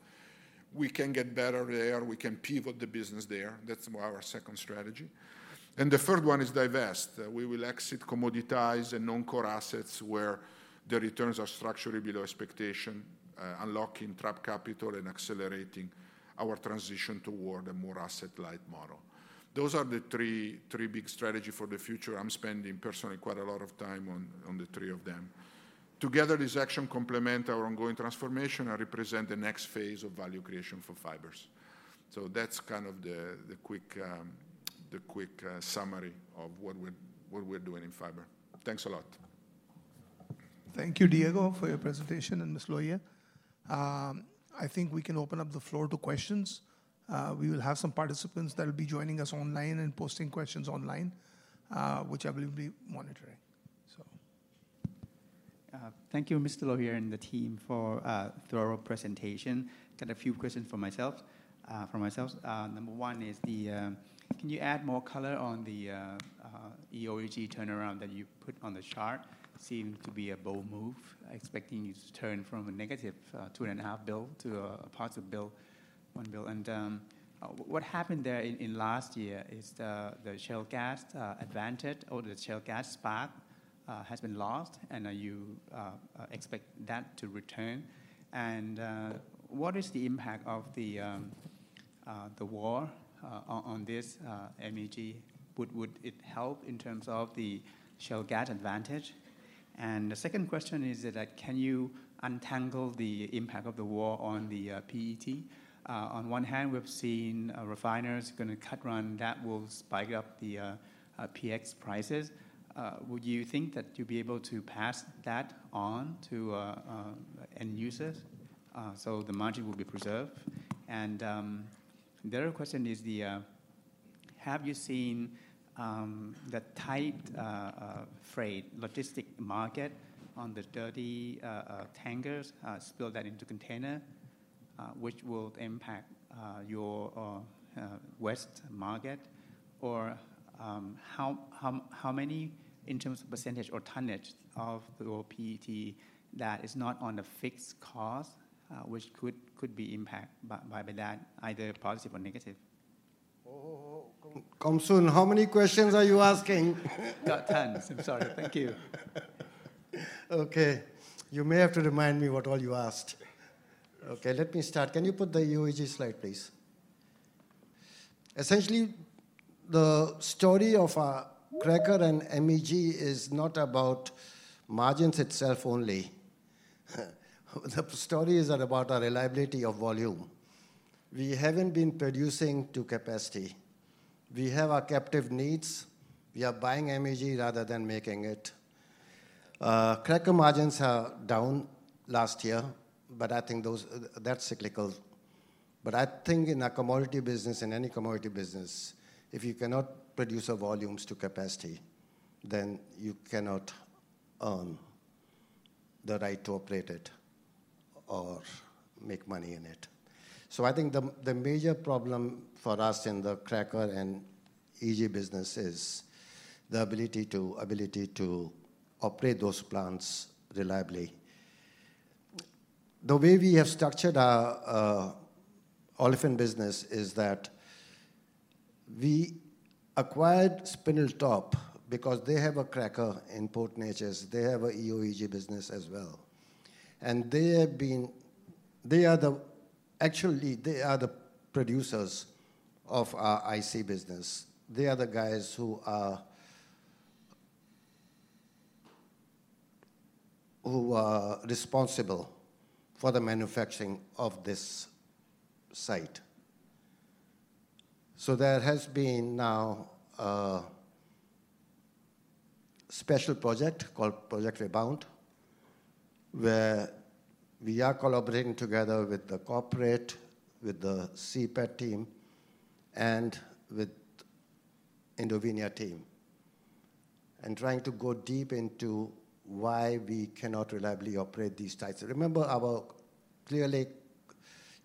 Speaker 6: We can get better there. We can pivot the business there. That's more our second strategy. The third one is divest. We will exit commoditize and non-core assets where the returns are structurally below expectation, unlocking trapped capital and accelerating our transition toward a more asset-light model. Those are the three big strategy for the future. I'm spending personally quite a lot of time on the three of them. Together, this action complement our ongoing transformation and represent the next phase of value creation for Fibers. That's kind of the quick summary of what we're doing in Fiber. Thanks a lot.
Speaker 1: Thank you, Diego, for your presentation, and Mr. Lohier. I think we can open up the floor to questions. We will have some participants that will be joining us online and posting questions online, which I will be monitoring.
Speaker 7: Thank you, Mr. Lohia and the team for a thorough presentation. Got a few questions for myself. Number one is the, can you add more color on the EO/EG turnaround that you put on the chart? It seemed to be a bold move, expecting you to turn from a negative -2.5 billion to a +1 billion. What happened there in last year? Is the shale gas advantage or the shale gas spark has been lost, and you expect that to return? What is the impact of the? The war on this MEG, would it help in terms of the shale gas advantage? The second question is that, can you untangle the impact of the war on the PET? On one hand, we've seen refiners gonna cut run, that will spike up the PX prices. Would you think that you'll be able to pass that on to end users, so the margin will be preserved? The other question is, have you seen the tight freight logistic market on the dirty tankers, spill that into container, which will impact your West market? How many in terms of percentage or tonnage of the PET that is not on a fixed cost, which could be impact by that, either positive or negative?
Speaker 4: Komsun, how many questions are you asking?
Speaker 7: tons. I'm sorry. Thank you.
Speaker 4: You may have to remind me what all you asked. Let me start. Can you put the UEG slide, please? Essentially, the story of our cracker and MEG is not about margins itself only. The stories are about our reliability of volume. We haven't been producing to capacity. We have our captive needs. We are buying MEG rather than making it. Cracker margins are down last year, but I think that's cyclical. I think in a commodity business, in any commodity business, if you cannot produce your volumes to capacity, then you cannot earn the right to operate it or make money in it. I think the major problem for us in the cracker and EG business is the ability to operate those plants reliably. The way we have structured our olefin business is that we acquired Spindletop because they have a cracker in Port Neches. They have a EO/EG business as well. Actually, they are the producers of our IOD business. They are the guys who are responsible for the manufacturing of this site. There has been now a special project called Project Rebound, where we are collaborating together with the corporate, with the CPET team, and with Indovinya team, and trying to go deep into why we cannot reliably operate these sites. Remember our Clear Lake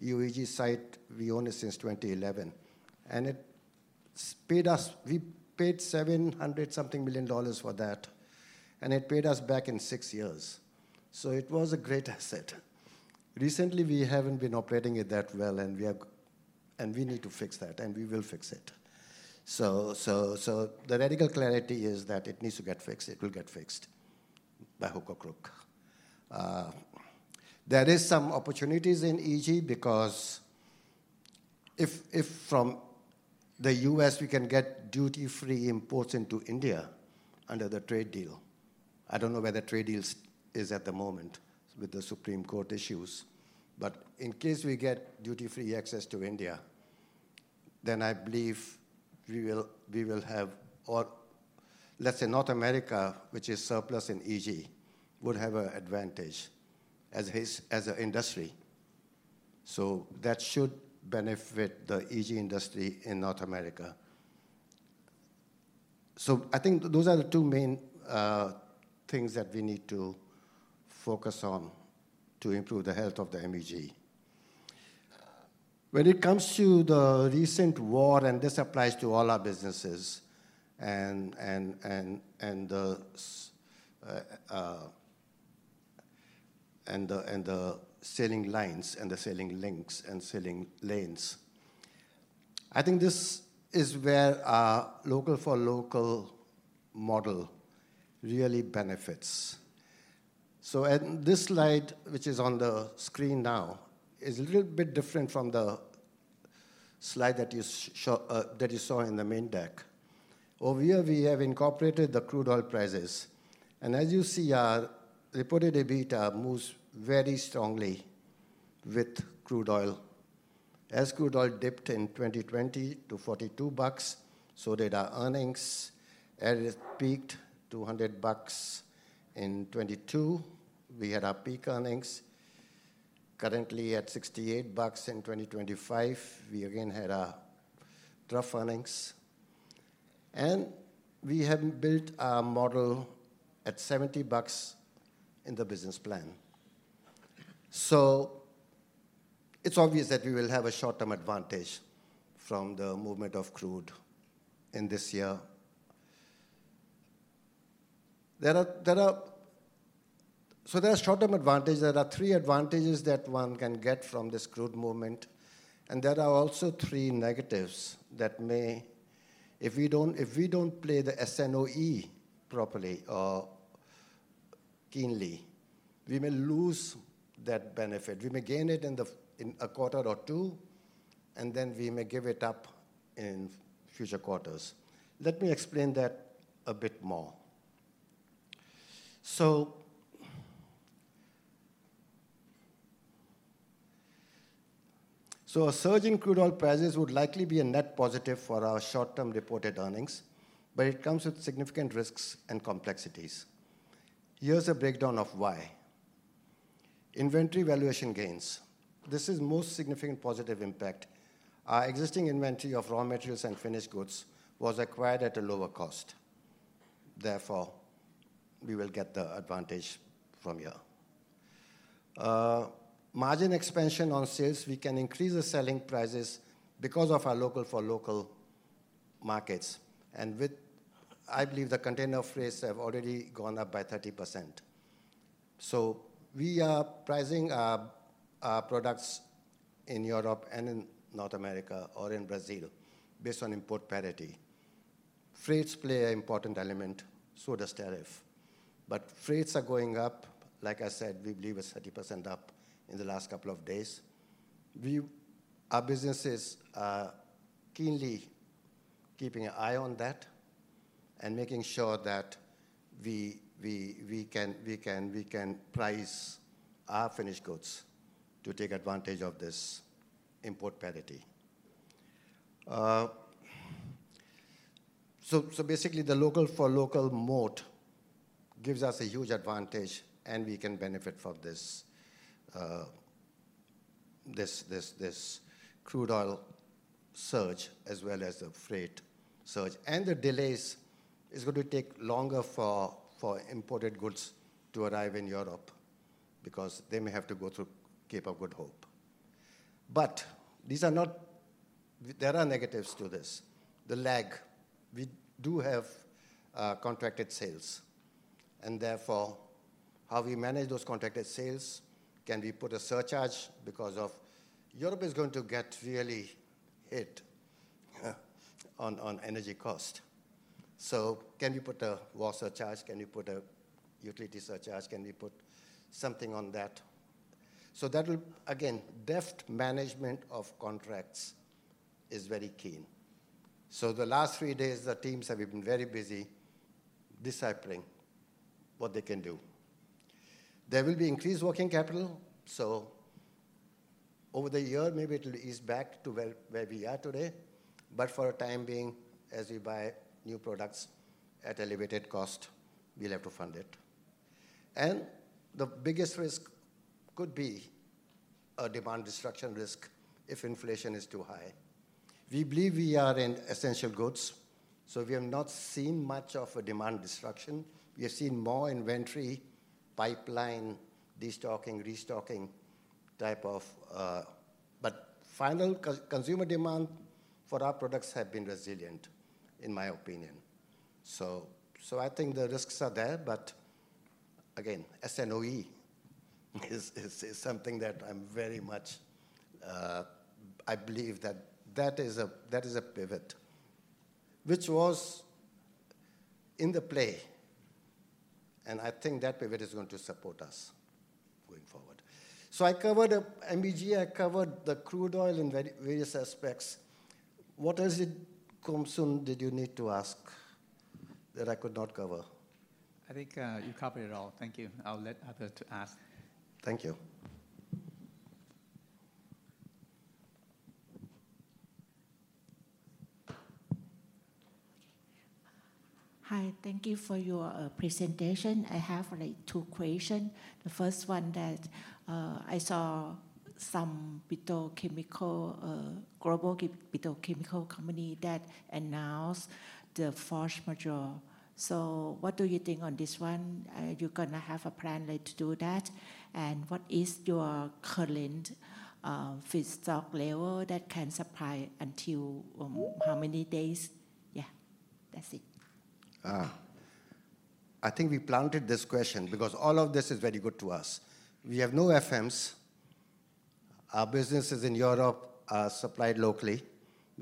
Speaker 4: UEG site, we own it since 2011, we paid $700 something million for that, and it paid us back in six years. It was a great asset. Recently, we haven't been operating it that well, and we need to fix that, and we will fix it. The radical clarity is that it needs to get fixed. It will get fixed by hook or crook. There is some opportunities in EG because if from the U.S. we can get duty-free imports into India under the trade deal, I don't know where the trade deals is at the moment with the Supreme Court issues, but in case we get duty-free access to India, then I believe we will have let's say North America, which is surplus in EG, would have an advantage as a industry. That should benefit the EG industry in North America. I think those are the two main things that we need to focus on to improve the health of the MEG. When it comes to the recent war, this applies to all our businesses and the sailing lines and the sailing links and sailing lanes, I think this is where our local-for-local model really benefits. At this slide, which is on the screen now, is a little bit different from the slide that you saw in the main deck. Over here, we have incorporated the crude oil prices. As you see, our reported EBITDA moves very strongly with crude oil. As crude oil dipped in 2020 to $42, so did our earnings. As it peaked $200 in 2022, we had our peak earnings. Currently at $68 in 2025, we again had our trough earnings. We had built our model at $70 in the business plan. It's obvious that we will have a short-term advantage from the movement of crude in this year. There are short-term advantage. There are three advantages that one can get from this crude movement, and there are also three negatives that may. If we don't play the S&OE properly or keenly. We may lose that benefit. We may gain it in a quarter or two, and then we may give it up in future quarters. Let me explain that a bit more. A surge in crude oil prices would likely be a net positive for our short-term reported earnings, it comes with significant risks and complexities. Here's a breakdown of why. Inventory valuation gains. This is most significant positive impact. Our existing inventory of raw materials and finished goods was acquired at a lower cost, therefore, we will get the advantage from here. Margin expansion on sales, we can increase the selling prices because of our local for local markets. I believe the container freights have already gone up by 30%. We are pricing our products in Europe and in North America or in Brazil based on import parity. Freights play an important element, so does tariff. Freights are going up. Like I said, we believe it's 30% up in the last couple of days. Our business is keenly keeping an eye on that and making sure that we can price our finished goods to take advantage of this import parity. Basically the local for local moat gives us a huge advantage, and we can benefit from this crude oil surge as well as the freight surge. The delays is going to take longer for imported goods to arrive in Europe because they may have to go through Cape of Good Hope. There are negatives to this. The lag. We do have contracted sales, and therefore, how we manage those contracted sales, can we put a surcharge because Europe is going to get really hit on energy cost. Can we put a war surcharge? Can we put a utility surcharge? Can we put something on that? Again, deft management of contracts is very keen. The last three days, the teams have been very busy deciphering what they can do. There will be increased working capital, so over the year, maybe it'll ease back to where we are today. For the time being, as we buy new products at elevated cost, we'll have to fund it. The biggest risk could be a demand destruction risk if inflation is too high. We believe we are in essential goods, so we have not seen much of a demand destruction. We have seen more inventory pipeline destocking, restocking type of. Final co-consumer demand for our products have been resilient, in my opinion. I think the risks are there, but again, S&OE is something that I'm very much I believe that is a pivot, which was in the play, and I think that pivot is going to support us going forward. I covered the MEG, I covered the crude oil in various aspects. What has it Komsun did you need to ask that I could not cover?
Speaker 7: I think, you covered it all. Thank you. I'll let others to ask.
Speaker 4: Thank you.
Speaker 8: Hi. Thank you for your presentation. I have like two question. The first one that I saw some petrochemical global petrochemical company that announced the force majeure. What do you think on this one? Are you gonna have a plan like to do that? What is your current feedstock level that can supply until how many days? Yeah. That's it.
Speaker 4: I think we planted this question because all of this is very good to us. We have no FMs. Our businesses in Europe are supplied locally.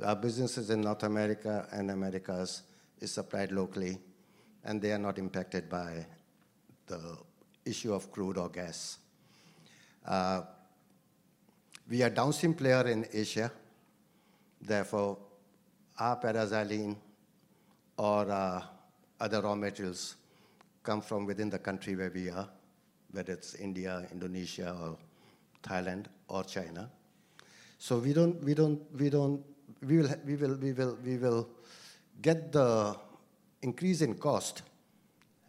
Speaker 4: Our businesses in North America and Americas is supplied locally. They are not impacted by the issue of crude or gas. We are downstream player in Asia, therefore, our paraxylene or our other raw materials come from within the country where we are, whether it's India, Indonesia or Thailand or China. We don't. We will get the increase in cost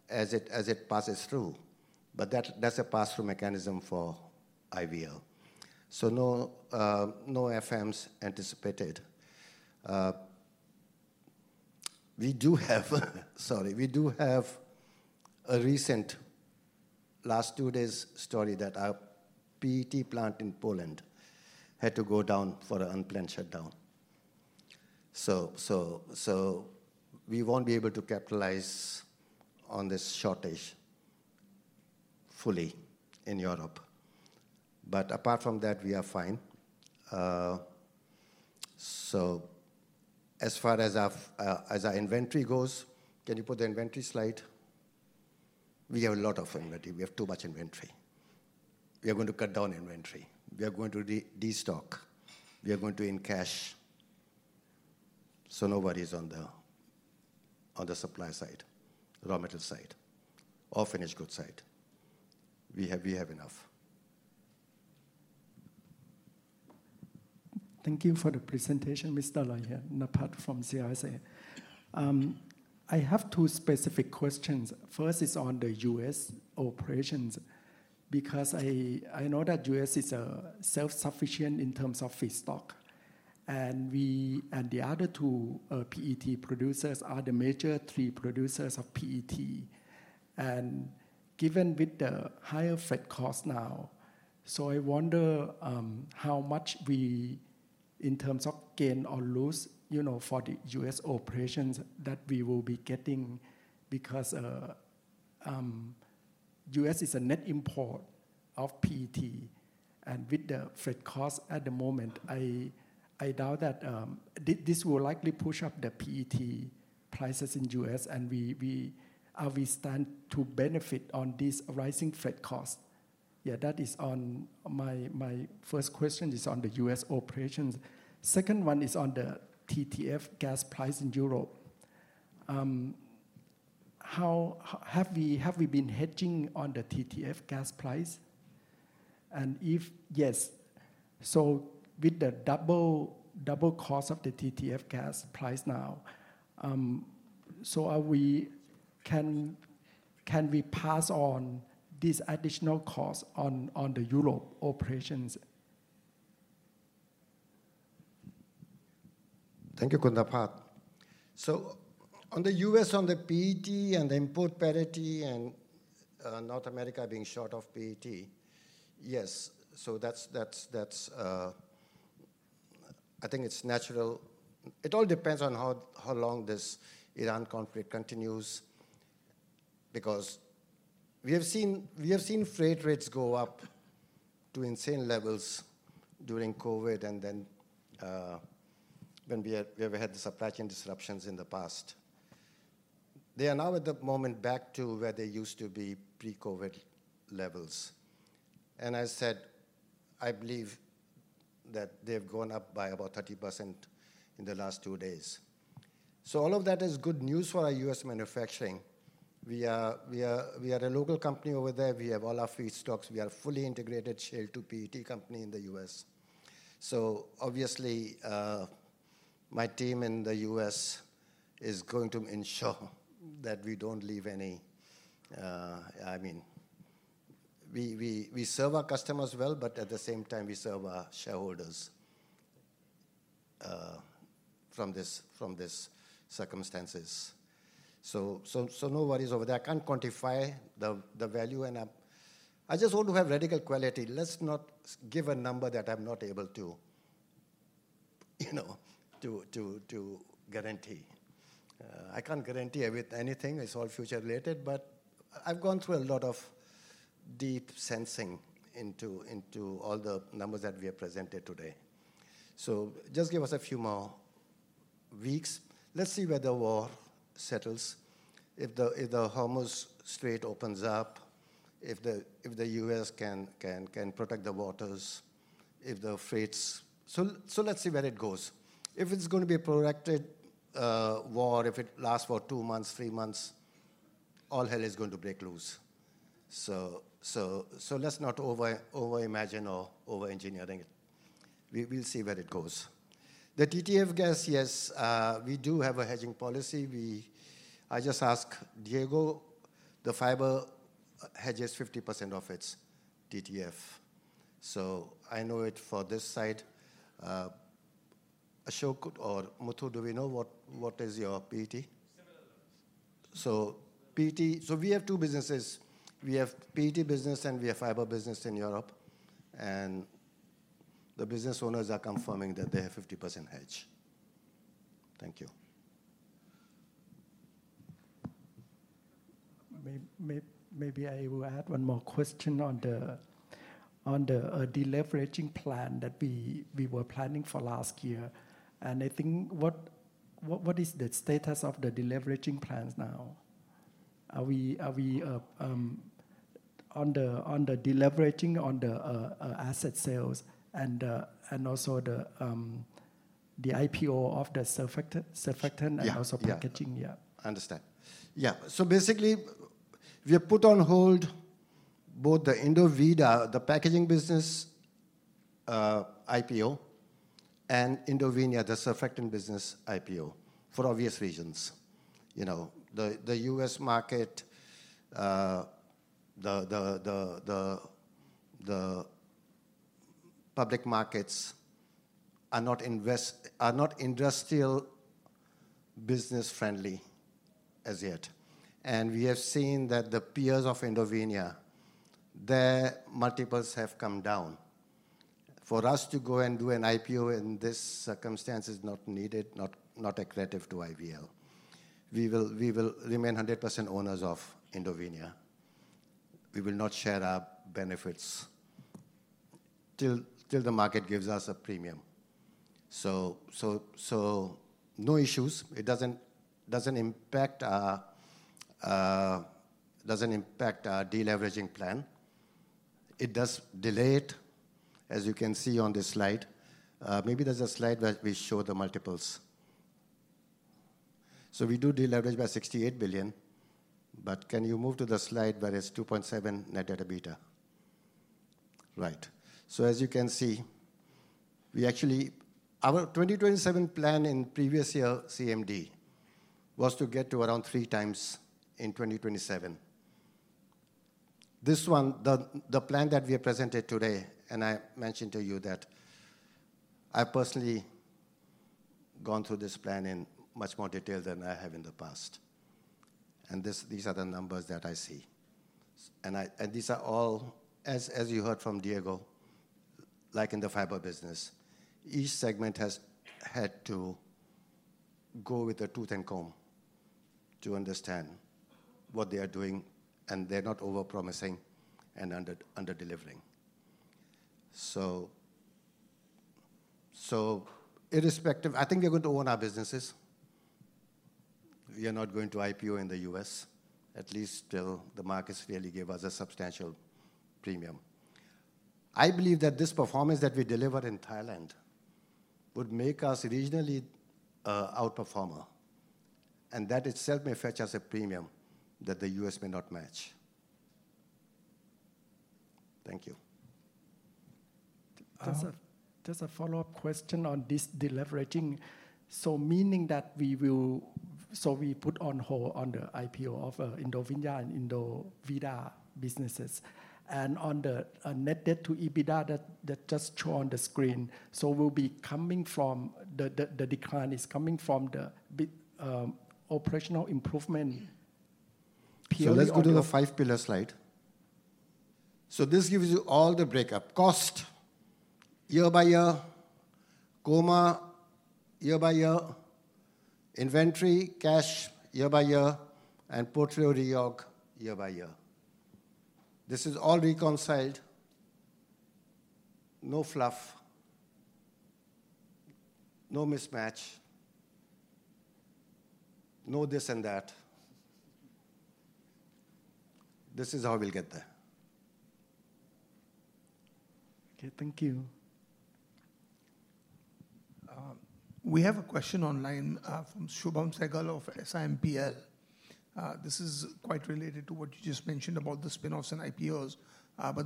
Speaker 4: as it passes through, that's a pass-through mechanism for IVL. No FMs anticipated. Sorry. We do have a recent, last two days story that our PET plant in Poland had to go down for an unplanned shutdown. We won't be able to capitalize on this shortage fully in Europe. Apart from that, we are fine. As far as our inventory goes, can you put the inventory slide? We have a lot of inventory. We have too much inventory. We are going to cut down inventory. We are going to de-destock. We are going to encash. No worries on the, on the supply side, raw material side, or finished goods side. We have enough.
Speaker 9: Thank you for the presentation, Mr. Lohia. Naphat from CLSA. I have two specific questions. First is on the U.S. operations, because I know that U.S. is self-sufficient in terms of feedstock. The other two PET producers are the major three producers of PET. Given with the higher freight cost now, I wonder how much we in terms of gain or lose, you know, for the U.S. operations that we will be getting because U.S. is a net import of PET and with the freight cost at the moment, I doubt that this will likely push up the PET prices in U.S. and we stand to benefit on this rising freight cost. That is on my first question is on the U.S. operations. Second one is on the TTF gas price in Europe. Have we been hedging on the TTF gas price? If yes, with the double cost of the TTF gas price now, can we pass on this additional cost on the Europe operations?
Speaker 4: Thank you, Naphat. On the U.S., on the PET and the import parity and North America being short of PET, yes. That's, I think it's natural. It all depends on how long this Iran conflict continues, because we have seen freight rates go up to insane levels during COVID and then, when we have had the supply chain disruptions in the past. They are now at the moment back to where they used to be pre-COVID levels. I said, I believe that they've gone up by about 30% in the last two days. All of that is good news for our U.S. manufacturing. We are a local company over there. We have all our feedstocks. We are fully integrated shale to PET company in the U.S. Obviously, my team in the U.S. is going to ensure that we don't leave any. I mean, we serve our customers well, but at the same time, we serve our shareholders from this circumstances. No worries over there. I can't quantify the value and I just want to have radical quality. Let's not give a number that I'm not able to, you know, to guarantee. I can't guarantee with anything. It's all future related. I've gone through a lot of deep sensing into all the numbers that we have presented today. Just give us a few more weeks. Let's see where the war settles. If the Hormuz Strait opens up, if the U.S. can protect the waters, if the freights... Let's see where it goes. If it's going to be a protracted war, if it lasts for two months, three months, all hell is going to break loose. Let's not over imagine or over engineering it. We'll see where it goes. The TTF gas, yes, we do have a hedging policy. I just ask Diego, the Fiber hedges 50% of its TTF. I know it for this side. Ashok or Muthu, do we know what is your PET?
Speaker 1: Similar.
Speaker 4: PET. We have two businesses. We have PET business and we have Fiber business in Europe. The business owners are confirming that they have 50% hedge. Thank you.
Speaker 9: Maybe I will add one more question on the deleveraging plan that we were planning for last year. What is the status of the deleveraging plans now? Are we on the deleveraging, on the asset sales and also the IPO of the surfactant?
Speaker 4: Yeah....
Speaker 9: also packaging? Yeah.
Speaker 4: Understand. Yeah. Basically, we have put on hold both the Indovida, the packaging business, IPO, and Indovinya, the surfactant business IPO, for obvious reasons. You know, the U.S. market, the public markets are not industrial business friendly as yet. We have seen that the peers of Indovinya, their multiples have come down. For us to go and do an IPO in this circumstance is not needed, not accretive to IVL. We will remain 100% owners of Indovinya. We will not share our benefits till the market gives us a premium. No issues. It doesn't impact our, doesn't impact our de-leveraging plan. It does delay it, as you can see on this slide. Maybe there's a slide where we show the multiples. We do de-leverage by 68 billion, can you move to the slide where it's 2.7x net-to-EBITDA. Right. As you can see, we actually. Our 2027 plan in previous year CMD was to get to around 3x in 2027. This one, the plan that we have presented today, I mentioned to you that I've personally gone through this plan in much more detail than I have in the past. This, these are the numbers that I see. These are all, as you heard from Diego, like in the Fiber business, each segment has had to go with a tooth and comb to understand what they are doing, and they're not overpromising and under-delivering. Irrespective, I think we're going to own our businesses. We are not going to IPO in the U.S., at least till the markets really give us a substantial premium. I believe that this performance that we delivered in Thailand would make us regionally, a outperformer, and that itself may fetch us a premium that the U.S. may not match. Thank you.
Speaker 9: Just a follow-up question on this deleveraging, meaning that we will put on hold on the IPO of Indovinya and Indovida businesses. On the net debt to EBITDA that just show on the screen, will be coming from the decline is coming from the operational improvement period on the.
Speaker 4: Let's go to the five pillar slide. This gives you all the breakup. Cost year by year, COMA year by year, inventory, cash year by year, and portfolio reorg year by year. This is all reconciled. No fluff, no mismatch, no this and that. This is how we'll get there.
Speaker 9: Okay, thank you.
Speaker 1: We have a question online from [Shubham Shele of SiMPL]. This is quite related to what you just mentioned about the spinoffs and IPOs.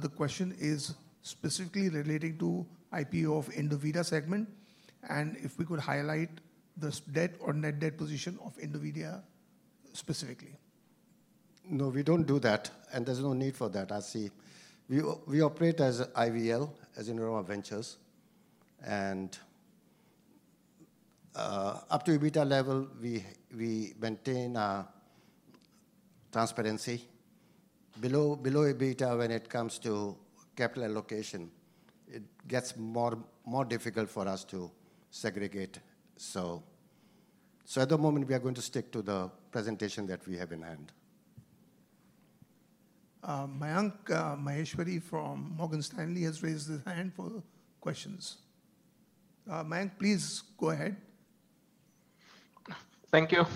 Speaker 1: The question is specifically relating to IPO of Indovida segment, and if we could highlight the debt or net debt position of Indovida specifically.
Speaker 4: No, we don't do that, and there's no need for that, I see. We operate as IVL, as Indorama Ventures. Up to EBITDA level, we maintain transparency. Below EBITDA when it comes to capital allocation, it gets more difficult for us to segregate. At the moment we are going to stick to the presentation that we have in hand.
Speaker 1: Mayank Maheshwari from Morgan Stanley has raised his hand for questions. Mayank, please go ahead.
Speaker 10: Thank you.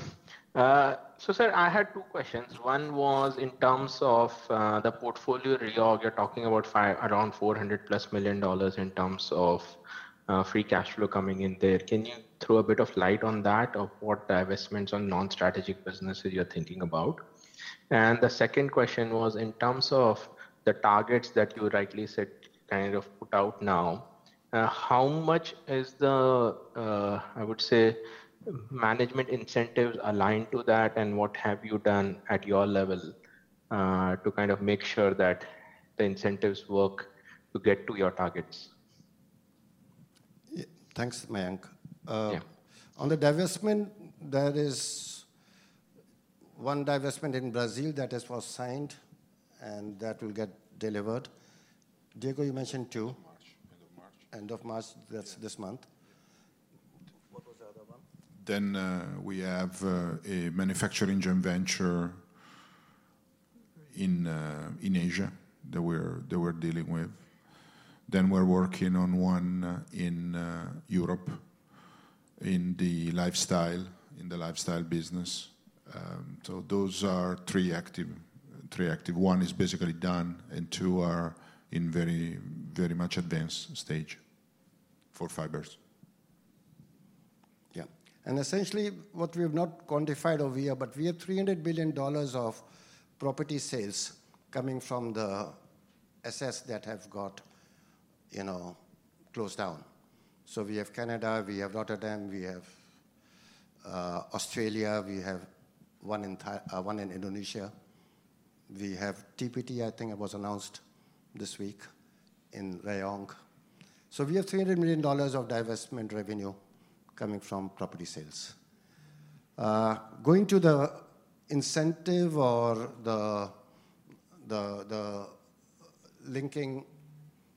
Speaker 10: Sir, I had two questions. One was in terms of the portfolio reorg. You're talking about around $400+ million in terms of free cash flow coming in there. Can you throw a bit of light on that, of what divestments on non-strategic businesses you're thinking about? The second question was, in terms of the targets that you rightly said, kind of put out now, how much is the, I would say management incentives aligned to that, and what have you done at your level, to kind of make sure that the incentives work to get to your targets?
Speaker 4: Yeah. Thanks, Mayank.
Speaker 10: Yeah.
Speaker 4: On the divestment, there is one divestment in Brazil that was signed and that will get delivered. Diego, you mentioned two.
Speaker 6: March. End of March.
Speaker 4: End of March. That's this month.
Speaker 6: Yeah.
Speaker 10: What was the other one?
Speaker 6: We have a manufacturing joint venture in Asia that we're dealing with. We're working on one in Europe in the lifestyle business. Those are three active. One is basically done, and two are in very much advanced stage for Fibers.
Speaker 4: Yeah. Essentially what we have not quantified over here, but we have $300 billion of property sales coming from the assets that have got, you know, closed down. We have Canada, we have Rotterdam, we have Australia, we have one in Indonesia. We have TPT, I think it was announced this week in Rayong. We have $300 million of divestment revenue coming from property sales. Going to the incentive or linking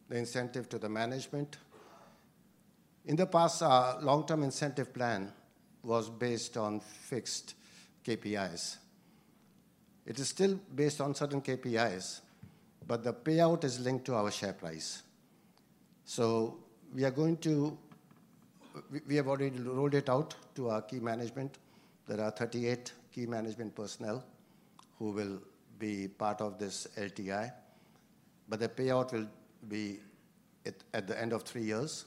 Speaker 4: the incentive to the management. In the past, our long-term incentive plan was based on fixed KPIs. It is still based on certain KPIs, but the payout is linked to our share price. We have already rolled it out to our key management. There are 38 key management personnel who will be part of this LTI, the payout will be at the end of three years.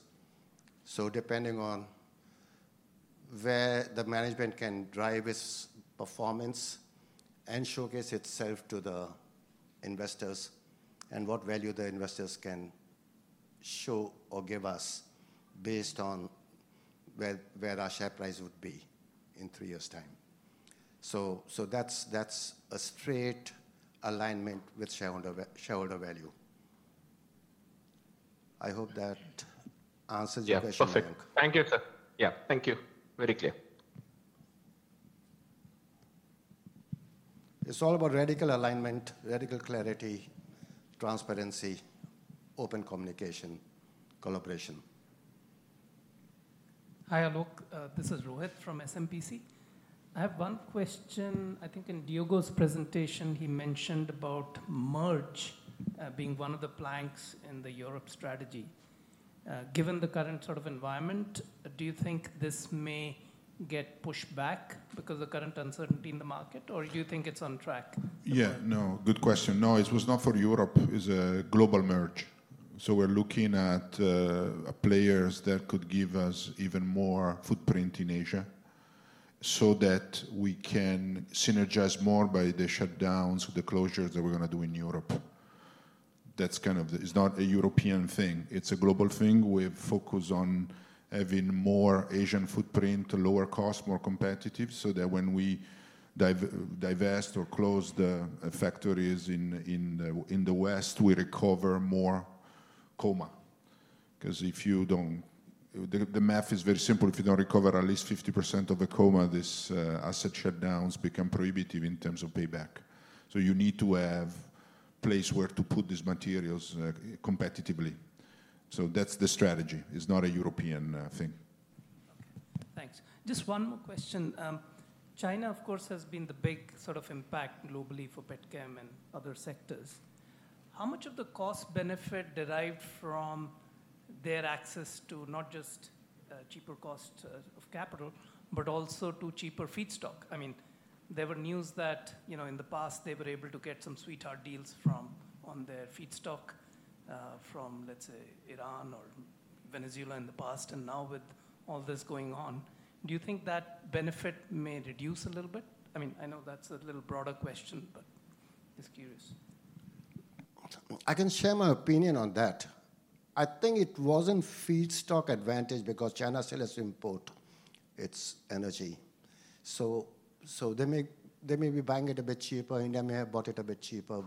Speaker 4: Depending on where the management can drive its performance and showcase itself to the investors and what value the investors can show or give us based on where our share price would be in three years' time. That's a straight alignment with shareholder value. I hope that answers your question, Alok.
Speaker 10: Yeah. Perfect. Thank you, sir. Yeah. Thank you. Very clear.
Speaker 4: It's all about radical alignment, radical clarity, transparency, open communication, collaboration.
Speaker 11: Hi, Aloke. This is Rohit from SMPC. I have one question. I think in Diogo's presentation, he mentioned about merge, being one of the planks in the Europe strategy. Given the current sort of environment, do you think this may get pushed back because of current uncertainty in the market, or do you think it's on track?
Speaker 6: Yeah. No. Good question. No, it was not for Europe. It's a global merge. We're looking at players that could give us even more footprint in Asia so that we can synergize more by the shutdowns or the closures that we're gonna do in Europe. That's not a European thing. It's a global thing. We have focused on having more Asian footprint, lower cost, more competitive, so that when we divest or close the factories in the West, we recover more COMA. 'Cause the math is very simple. If you don't recover at least 50% of the COMA, this asset shutdowns become prohibitive in terms of payback. You need to have place where to put these materials competitively. That's the strategy. It's not a European thing.
Speaker 11: Okay. Thanks. Just one more question. China, of course, has been the big sort of impact globally for petchem and other sectors. How much of the cost benefit derived from their access to not just cheaper cost of capital, but also to cheaper feedstock? I mean, there were news that, you know, in the past, they were able to get some sweetheart deals from, on their feedstock, from, let's say, Iran or Venezuela in the past. Now with all this going on, do you think that benefit may reduce a little bit? I mean, I know that's a little broader question, but just curious.
Speaker 4: I can share my opinion on that. I think it wasn't feedstock advantage because China still has to import its energy. They may be buying it a bit cheaper. India may have bought it a bit cheaper.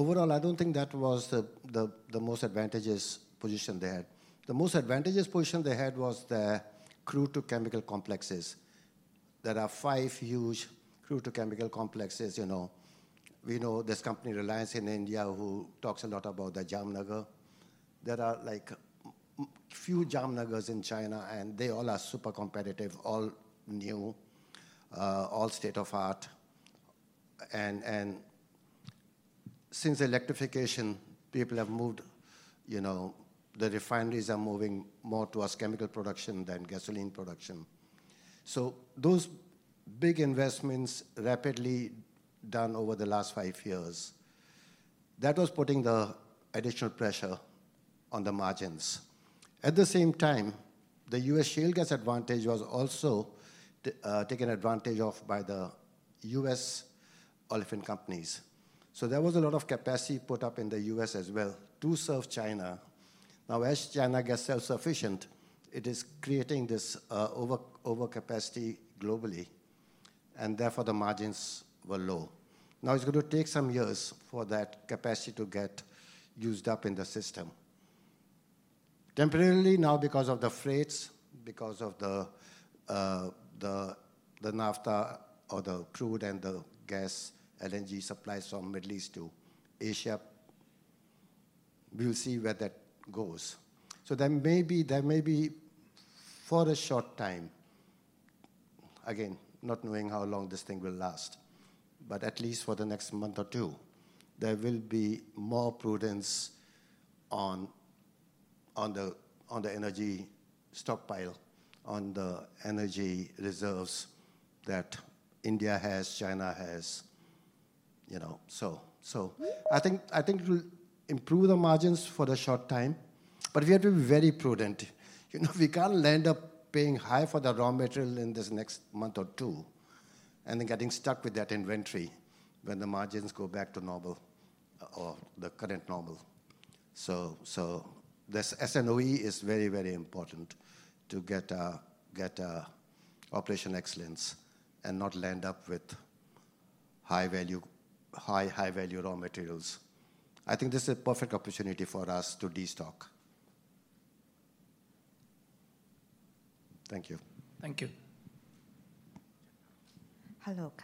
Speaker 4: Overall, I don't think that was the most advantageous position they had. The most advantageous position they had was the crude to chemical complexes. There are 5 huge crude to chemical complexes, you know. We know this company, Reliance, in India, who talks a lot about the Jamnagar. There are, like, few Jamnagars in China, and they all are super competitive, all new, all state-of-the-art. Since electrification, people have moved, you know, the refineries are moving more towards chemical production than gasoline production. Those big investments rapidly done over the last 5 years, that was putting the additional pressure on the margins. At the same time, the U.S. shale gas advantage was also taken advantage of by the U.S. olefin companies. There was a lot of capacity put up in the U.S. as well to serve China. As China gets self-sufficient, it is creating this overcapacity globally, and therefore, the margins were low. It's gonna take some years for that capacity to get used up in the system. Temporarily now because of the freights, because of the NAFTA or the crude and the gas, LNG supplies from Middle East to Asia, we'll see where that goes. There may be for a short time, again, not knowing how long this thing will last, but at least for the next month or two, there will be more prudence on the energy stockpile, on the energy reserves that India has, China has, you know. I think it will improve the margins for the short time, but we have to be very prudent. You know, we can't land up paying high for the raw material in this next month or two and then getting stuck with that inventory when the margins go back to normal or the current normal. This S&OE is very important to get operation excellence and not land up with high value, high value raw materials. I think this is a perfect opportunity for us to destock. Thank you.
Speaker 11: Thank you.
Speaker 8: Aloke.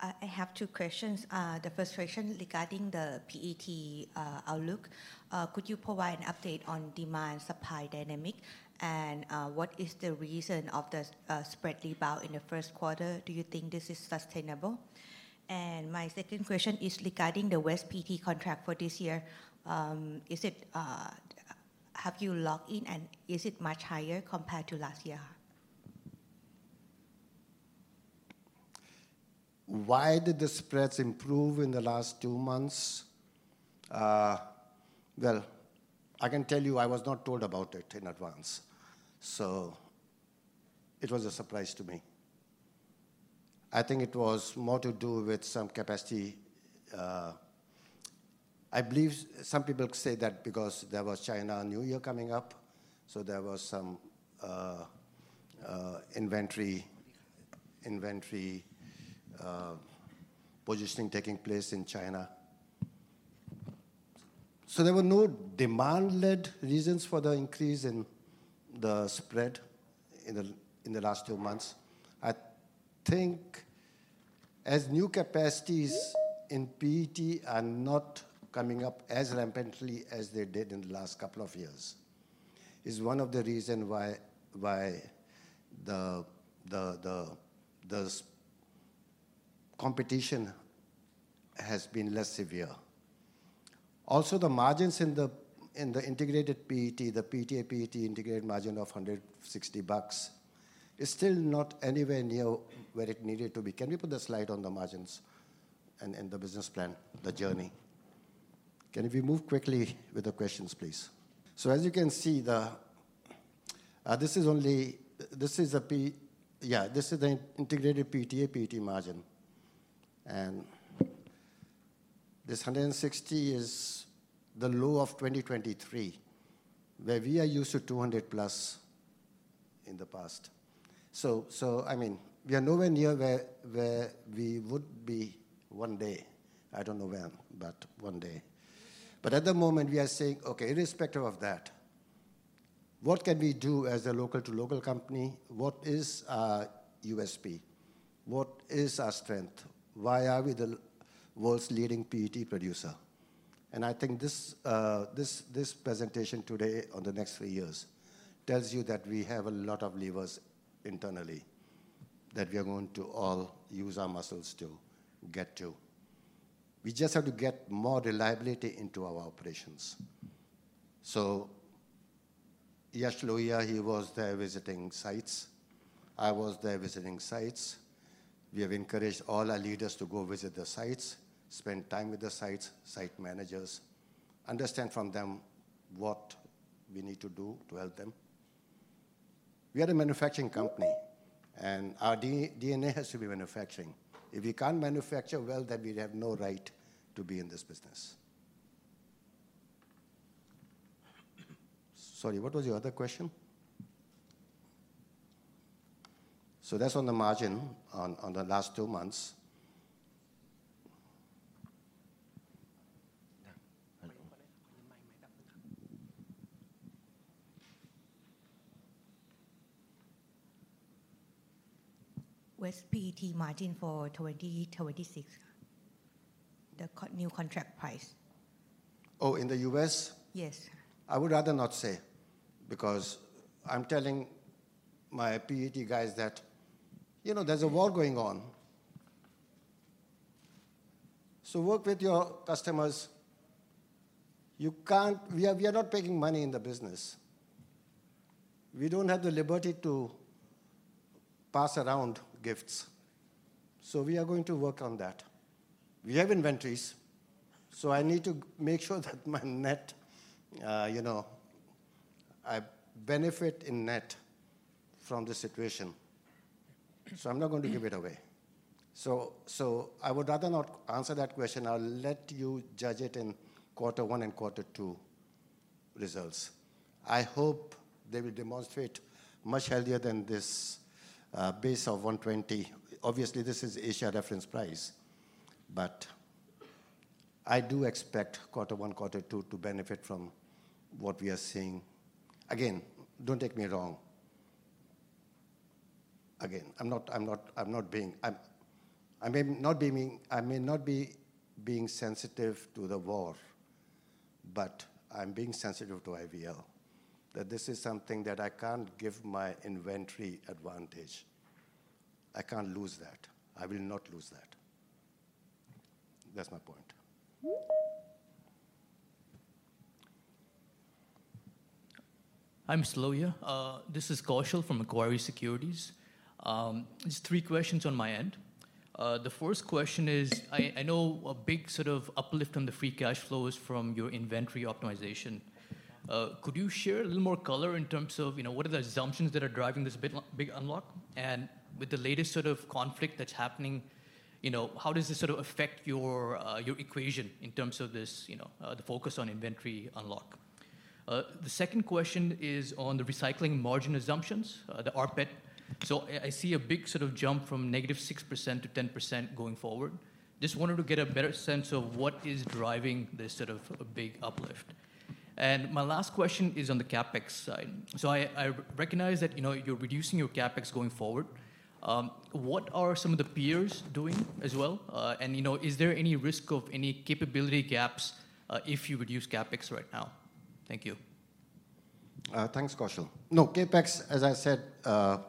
Speaker 8: I have two questions. The first question regarding the PET outlook. Could you provide an update on demand supply dynamic? What is the reason of the spread rebound in the first quarter? Do you think this is sustainable? My second question is regarding the West PET contract for this year. Have you locked in, and is it much higher compared to last year?
Speaker 4: Why did the spreads improve in the last two months? Well, I can tell you I was not told about it in advance. It was a surprise to me. I think it was more to do with some capacity. I believe some people say that because there was China New Year coming up. There was some inventory positioning taking place in China. There were no demand-led reasons for the increase in the spread in the last two months. I think as new capacities in PET are not coming up as rampantly as they did in the last couple of years is one of the reason why the competition has been less severe. The margins in the integrated PET, the PTA PET integrated margin of $160 is still not anywhere near where it needed to be. Can we put the slide on the margins and the business plan, the journey? Can we move quickly with the questions, please? As you can see, this is only, this is yeah, this is the integrated PTA PET margin. This $160 is the low of 2023, where we are used to $200+ in the past. I mean, we are nowhere near where we would be one day. I don't know when, but one day. At the moment we are saying, okay, irrespective of that, what can we do as a local to local company? What is our USP? What is our strength? Why are we the world's leading PET producer? I think this presentation today on the next three years tells you that we have a lot of levers internally that we are going to all use our muscles to get to. We just have to get more reliability into our operations. Yashovardhan Lohia, he was there visiting sites. I was there visiting sites. We have encouraged all our leaders to go visit the sites, spend time with the sites, site managers, understand from them what we need to do to help them. We are a manufacturing company and our DNA has to be manufacturing. If we can't manufacture well, then we have no right to be in this business. Sorry, what was your other question? That's on the margin on the last two months.
Speaker 8: West PET margin for 2026. The new contract price.
Speaker 4: Oh, in the U.S.?
Speaker 8: Yes.
Speaker 4: I would rather not say because I'm telling my PET guys that, you know, there's a war going on. Work with your customers. We are not making money in the business. We don't have the liberty to pass around gifts. We are going to work on that. We have inventories. I need to make sure that my net, you know, I benefit in net from the situation. I'm not going to give it away. I would rather not answer that question. I'll let you judge it in quarter one and quarter two results. I hope they will demonstrate much healthier than this base of $120. Obviously, this is Asia reference price. I do expect quarter one, quarter two to benefit from what we are seeing. Again, don't take me wrong. Again, I may not be being sensitive to the war, but I'm being sensitive to IVL. This is something that I can't give my inventory advantage. I can't lose that. I will not lose that. That's my point.
Speaker 12: Hi, Mr. Lohia. This is Kaushal from Macquarie Group. Just three questions on my end. The first question is, I know a big sort of uplift on the free cash flow is from your inventory optimization. Could you share a little more color in terms of, you know, what are the assumptions that are driving this big unlock? With the latest sort of conflict that's happening, you know, how does this sort of affect your equation in terms of this, you know, the focus on inventory unlock? The second question is on the recycling margin assumptions, the rPET. I see a big sort of jump from -6% to 10% going forward. Just wanted to get a better sense of what is driving this sort of a big uplift. My last question is on the CapEx side. I recognize that, you know, you're reducing your CapEx going forward. What are some of the peers doing as well? You know, is there any risk of any capability gaps if you reduce CapEx right now? Thank you.
Speaker 4: Thanks, Kaushal. No, CapEx, as I said, our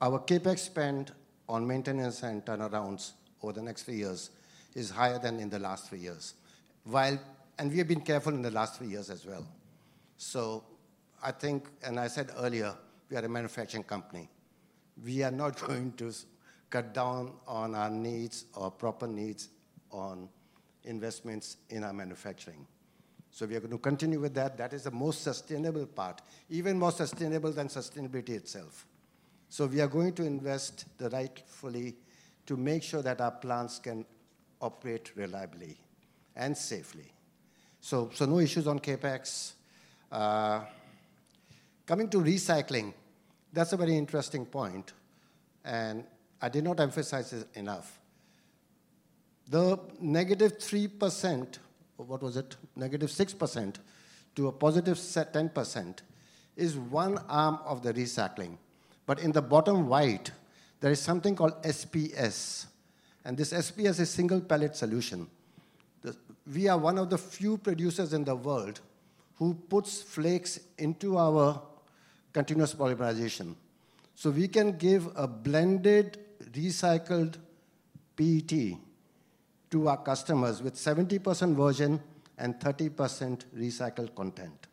Speaker 4: CapEx spend on maintenance and turnarounds over the next three years is higher than in the last three years. We have been careful in the last three years as well. I think, and I said earlier, we are a manufacturing company. We are not going to cut down on our needs, our proper needs on investments in our manufacturing. We are gonna continue with that. That is the most sustainable part. Even more sustainable than sustainability itself. We are going to invest the rightfully to make sure that our plants can operate reliably and safely. No issues on CapEx. Coming to recycling, that's a very interesting point, and I did not emphasize it enough. The -3%, or what was it? -6% to a +10% is one arm of the recycling. In the bottom right, there is something called SPS, and this SPS is single pellet solution. We are one of the few producers in the world who puts flakes into our continuous polymerization. We can give a blended recycled PET to our customers with 70% virgin and 30% recycled content,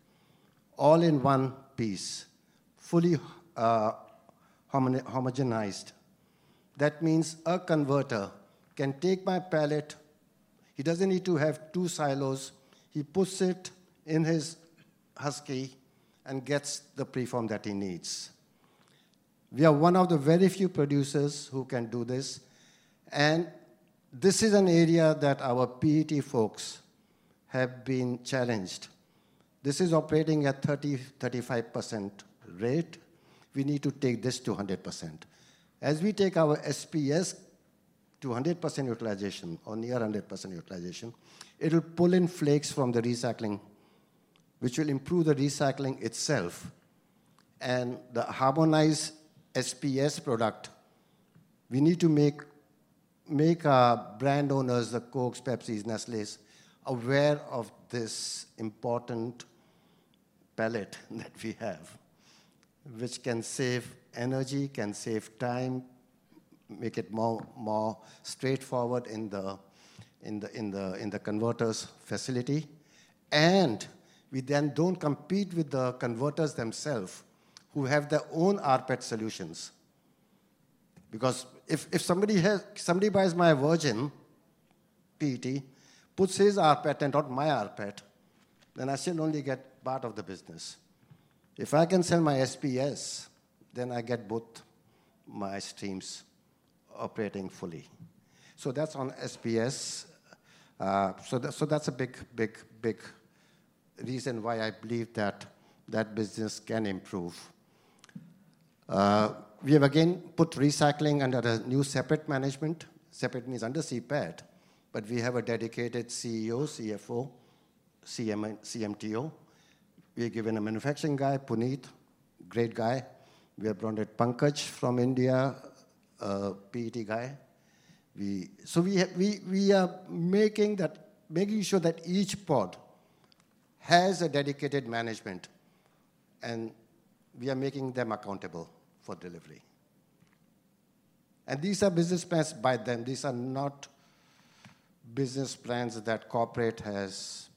Speaker 4: all in one piece, fully homogenized. That means a converter can take my pellet. He doesn't need to have two silos. He puts it in his Husky and gets the preform that he needs. We are one of the very few producers who can do this. This is an area that our PET folks have been challenged. This is operating at 30%-35% rate. We need to take this to 100%. As we take our SPS to 100% utilization or near 100% utilization, it'll pull in flakes from the recycling, which will improve the recycling itself. The harmonized SPS product, we need to make our brand owners, the Cokes, Pepsis, Nestlé, aware of this important pellet that we have, which can save energy, can save time, make it more straightforward in the converter's facility. We then don't compete with the converters themselves who have their own rPET solutions. Because if somebody buys my virgin PET, puts his rPET and not my rPET, then I still only get part of the business. If I can sell my SPS, then I get both my streams operating fully. That's on SPS. So that's a big, big, big reason why I believe that that business can improve. We have again put recycling under a new separate management. Separate means under CPET, but we have a dedicated CEO, CFO, CMO, CTO. We have given a manufacturing guy, Puneet, great guy. We have brought in Pankaj from India, a PET guy. We are making sure that each pod has a dedicated management, and we are making them accountable for delivery. These are business plans by them. These are not business plans that corporate has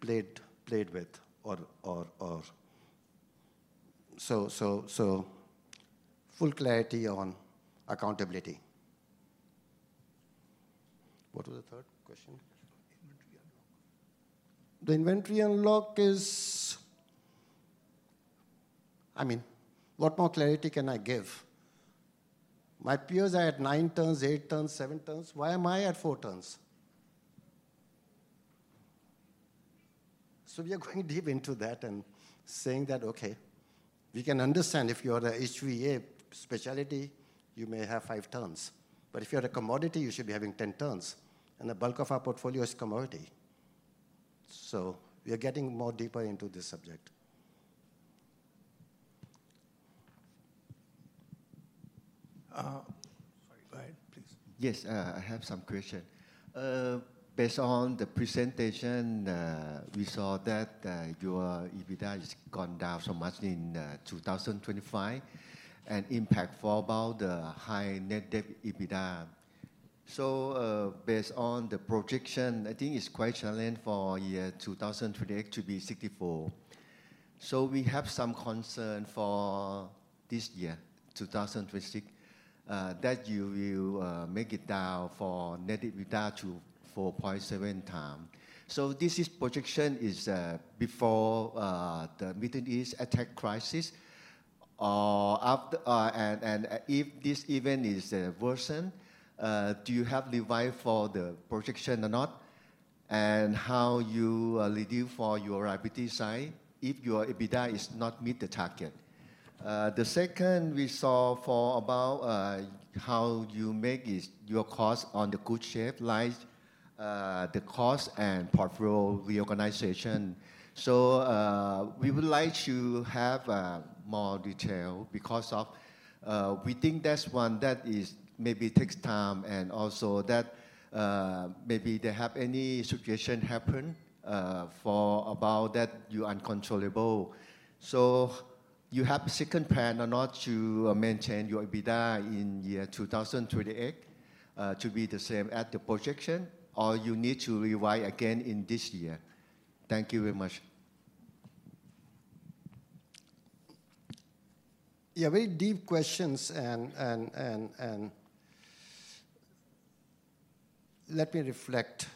Speaker 4: played with or. Full clarity on accountability. What was the third question?
Speaker 12: Inventory unlock.
Speaker 4: The inventory unlock is. I mean, what more clarity can I give? My peers are at nine turns, eight turns, seven turns. Why am I at four turns? We are going deep into that and saying that, "Okay, we can understand if you are a HVA specialty, you may have five turns. But if you are a commodity, you should be having 10 turns." The bulk of our portfolio is commodity. We are getting more deeper into this subject.
Speaker 13: Uh-
Speaker 4: Sorry. Go ahead, please.
Speaker 13: Yes, I have some question. Based on the presentation, we saw that your EBITDA has gone down so much in 2025, and impact for about the high net debt EBITDA. Based on the projection, I think it's quite challenging for year 2028 to be 64 billion. We have some concern for this year, 2026, that you will make it down for net EBITDA to 4.7x. This is projection is before the Middle East attack crisis. And if this even is worsen, do you have revise for the projection or not? How you reduce for your IPD side if your EBITDA is not meet the target? The second we saw for about how you make is your cost on the good shape, like the cost and portfolio reorganization. We would like to have more detail because of we think that's one that is maybe takes time and also that maybe they have any situation happen for about that you uncontrollable. You have second plan or not to maintain your EBITDA in year 2028 to be the same at the projection, or you need to revise again in this year. Thank you very much.
Speaker 4: Yeah, very deep questions and let me reflect.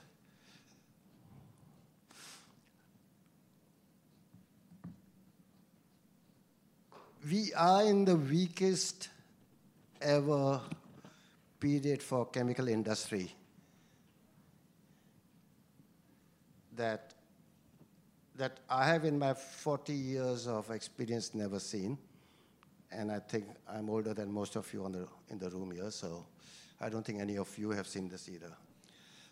Speaker 4: We are in the weakest ever period for chemical industry. That I have in my 40 years of experience never seen, and I think I'm older than most of you in the room here, so I don't think any of you have seen this either.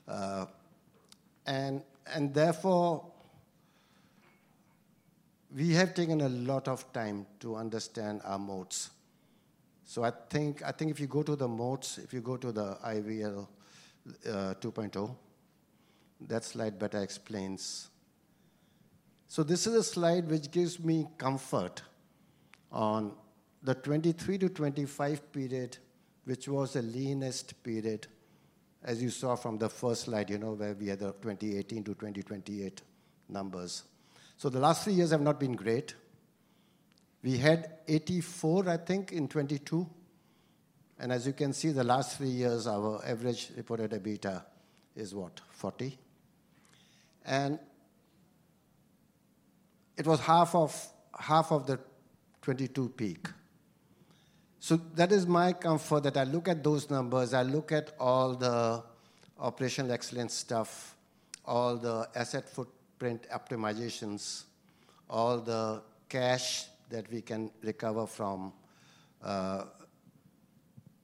Speaker 4: Therefore, we have taken a lot of time to understand our moats. I think if you go to the moats, if you go to the IVL 2.0, that slide better explains. This is a slide which gives me comfort on the 2023-2025 period, which was the leanest period, as you saw from the first slide, you know, where we had the 2018-2028 numbers. The last three years have not been great. We had 84, I think, in 2022. As you can see, the last three years, our average reported EBITDA is what? 40. It was half of the 2022 peak. That is my comfort that I look at those numbers, I look at all the operational excellence stuff, all the asset footprint optimizations, all the cash that we can recover from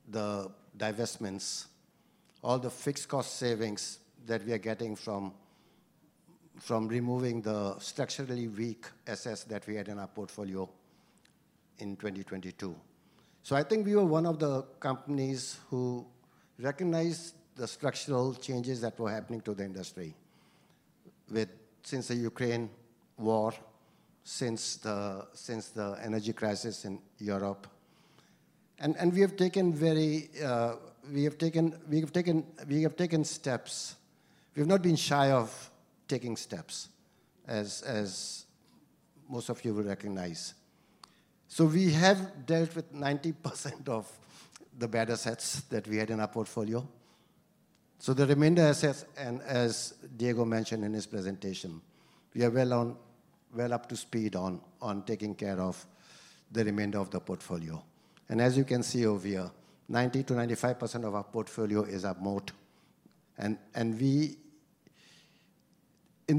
Speaker 4: the divestments, all the fixed cost savings that we are getting from removing the structurally weak assets that we had in our portfolio in 2022. I think we were one of the companies who recognized the structural changes that were happening to the industry since the Ukraine war, since the energy crisis in Europe. We have taken very, we have taken steps. We've not been shy of taking steps, as most of you will recognize. We have dealt with 90% of the better assets that we had in our portfolio. The remainder assets, and as Diego mentioned in his presentation, we are well on, well up to speed on taking care of the remainder of the portfolio. As you can see over here, 90%-95% of our portfolio is at moat. In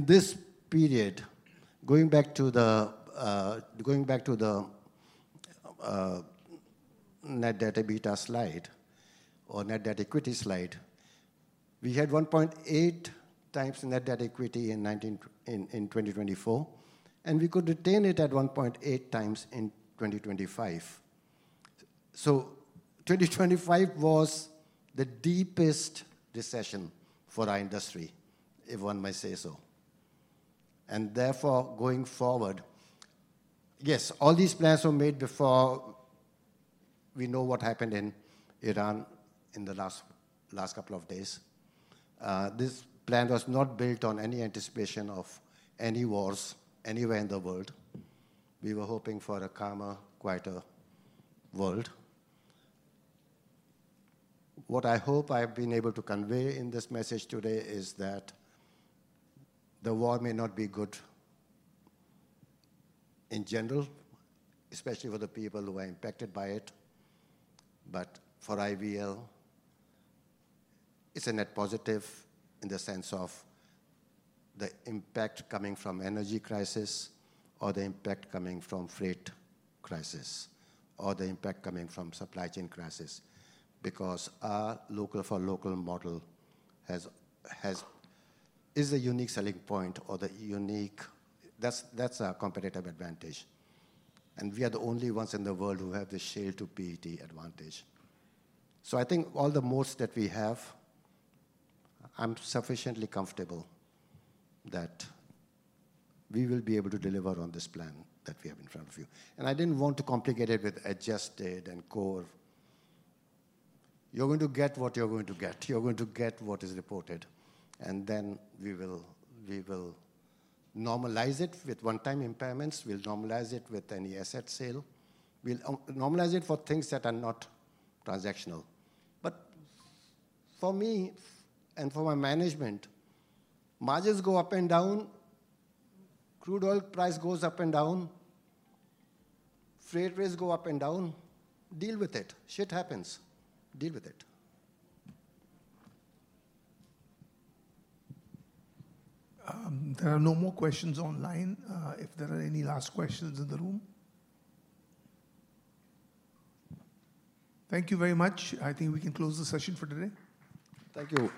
Speaker 4: this period, going back to the net debt EBITDA slide or net debt equity slide, we had 1.8x net debt equity in 2024, and we could retain it at 1.8x in 2025. 2025 was the deepest recession for our industry, if one may say so. Therefore, going forward... Yes, all these plans were made before we know what happened in Iran in the last couple of days. This plan was not built on any anticipation of any wars anywhere in the world. We were hoping for a calmer, quieter world. What I hope I've been able to convey in this message today is that the war may not be good in general, especially for the people who are impacted by it. For IVL, it's a net positive in the sense of the impact coming from energy crisis or the impact coming from freight crisis or the impact coming from supply chain crisis. Our local for local model has a unique selling point. That's our competitive advantage. We are the only ones in the world who have the shale to PET advantage. I think all the moats that we have, I'm sufficiently comfortable that we will be able to deliver on this plan that we have in front of you. I didn't want to complicate it with adjusted and core. You're going to get what you're going to get. You're going to get what is reported, and then we will normalize it with one-time impairments. We'll normalize it with any asset sale. We'll normalize it for things that are not transactional. For me and for my management, margins go up and down, crude oil price goes up and down, freight rates go up and down. Deal with it. Shit happens. Deal with it.
Speaker 1: There are no more questions online. If there are any last questions in the room? Thank you very much. I think we can close the session for today.
Speaker 4: Thank you.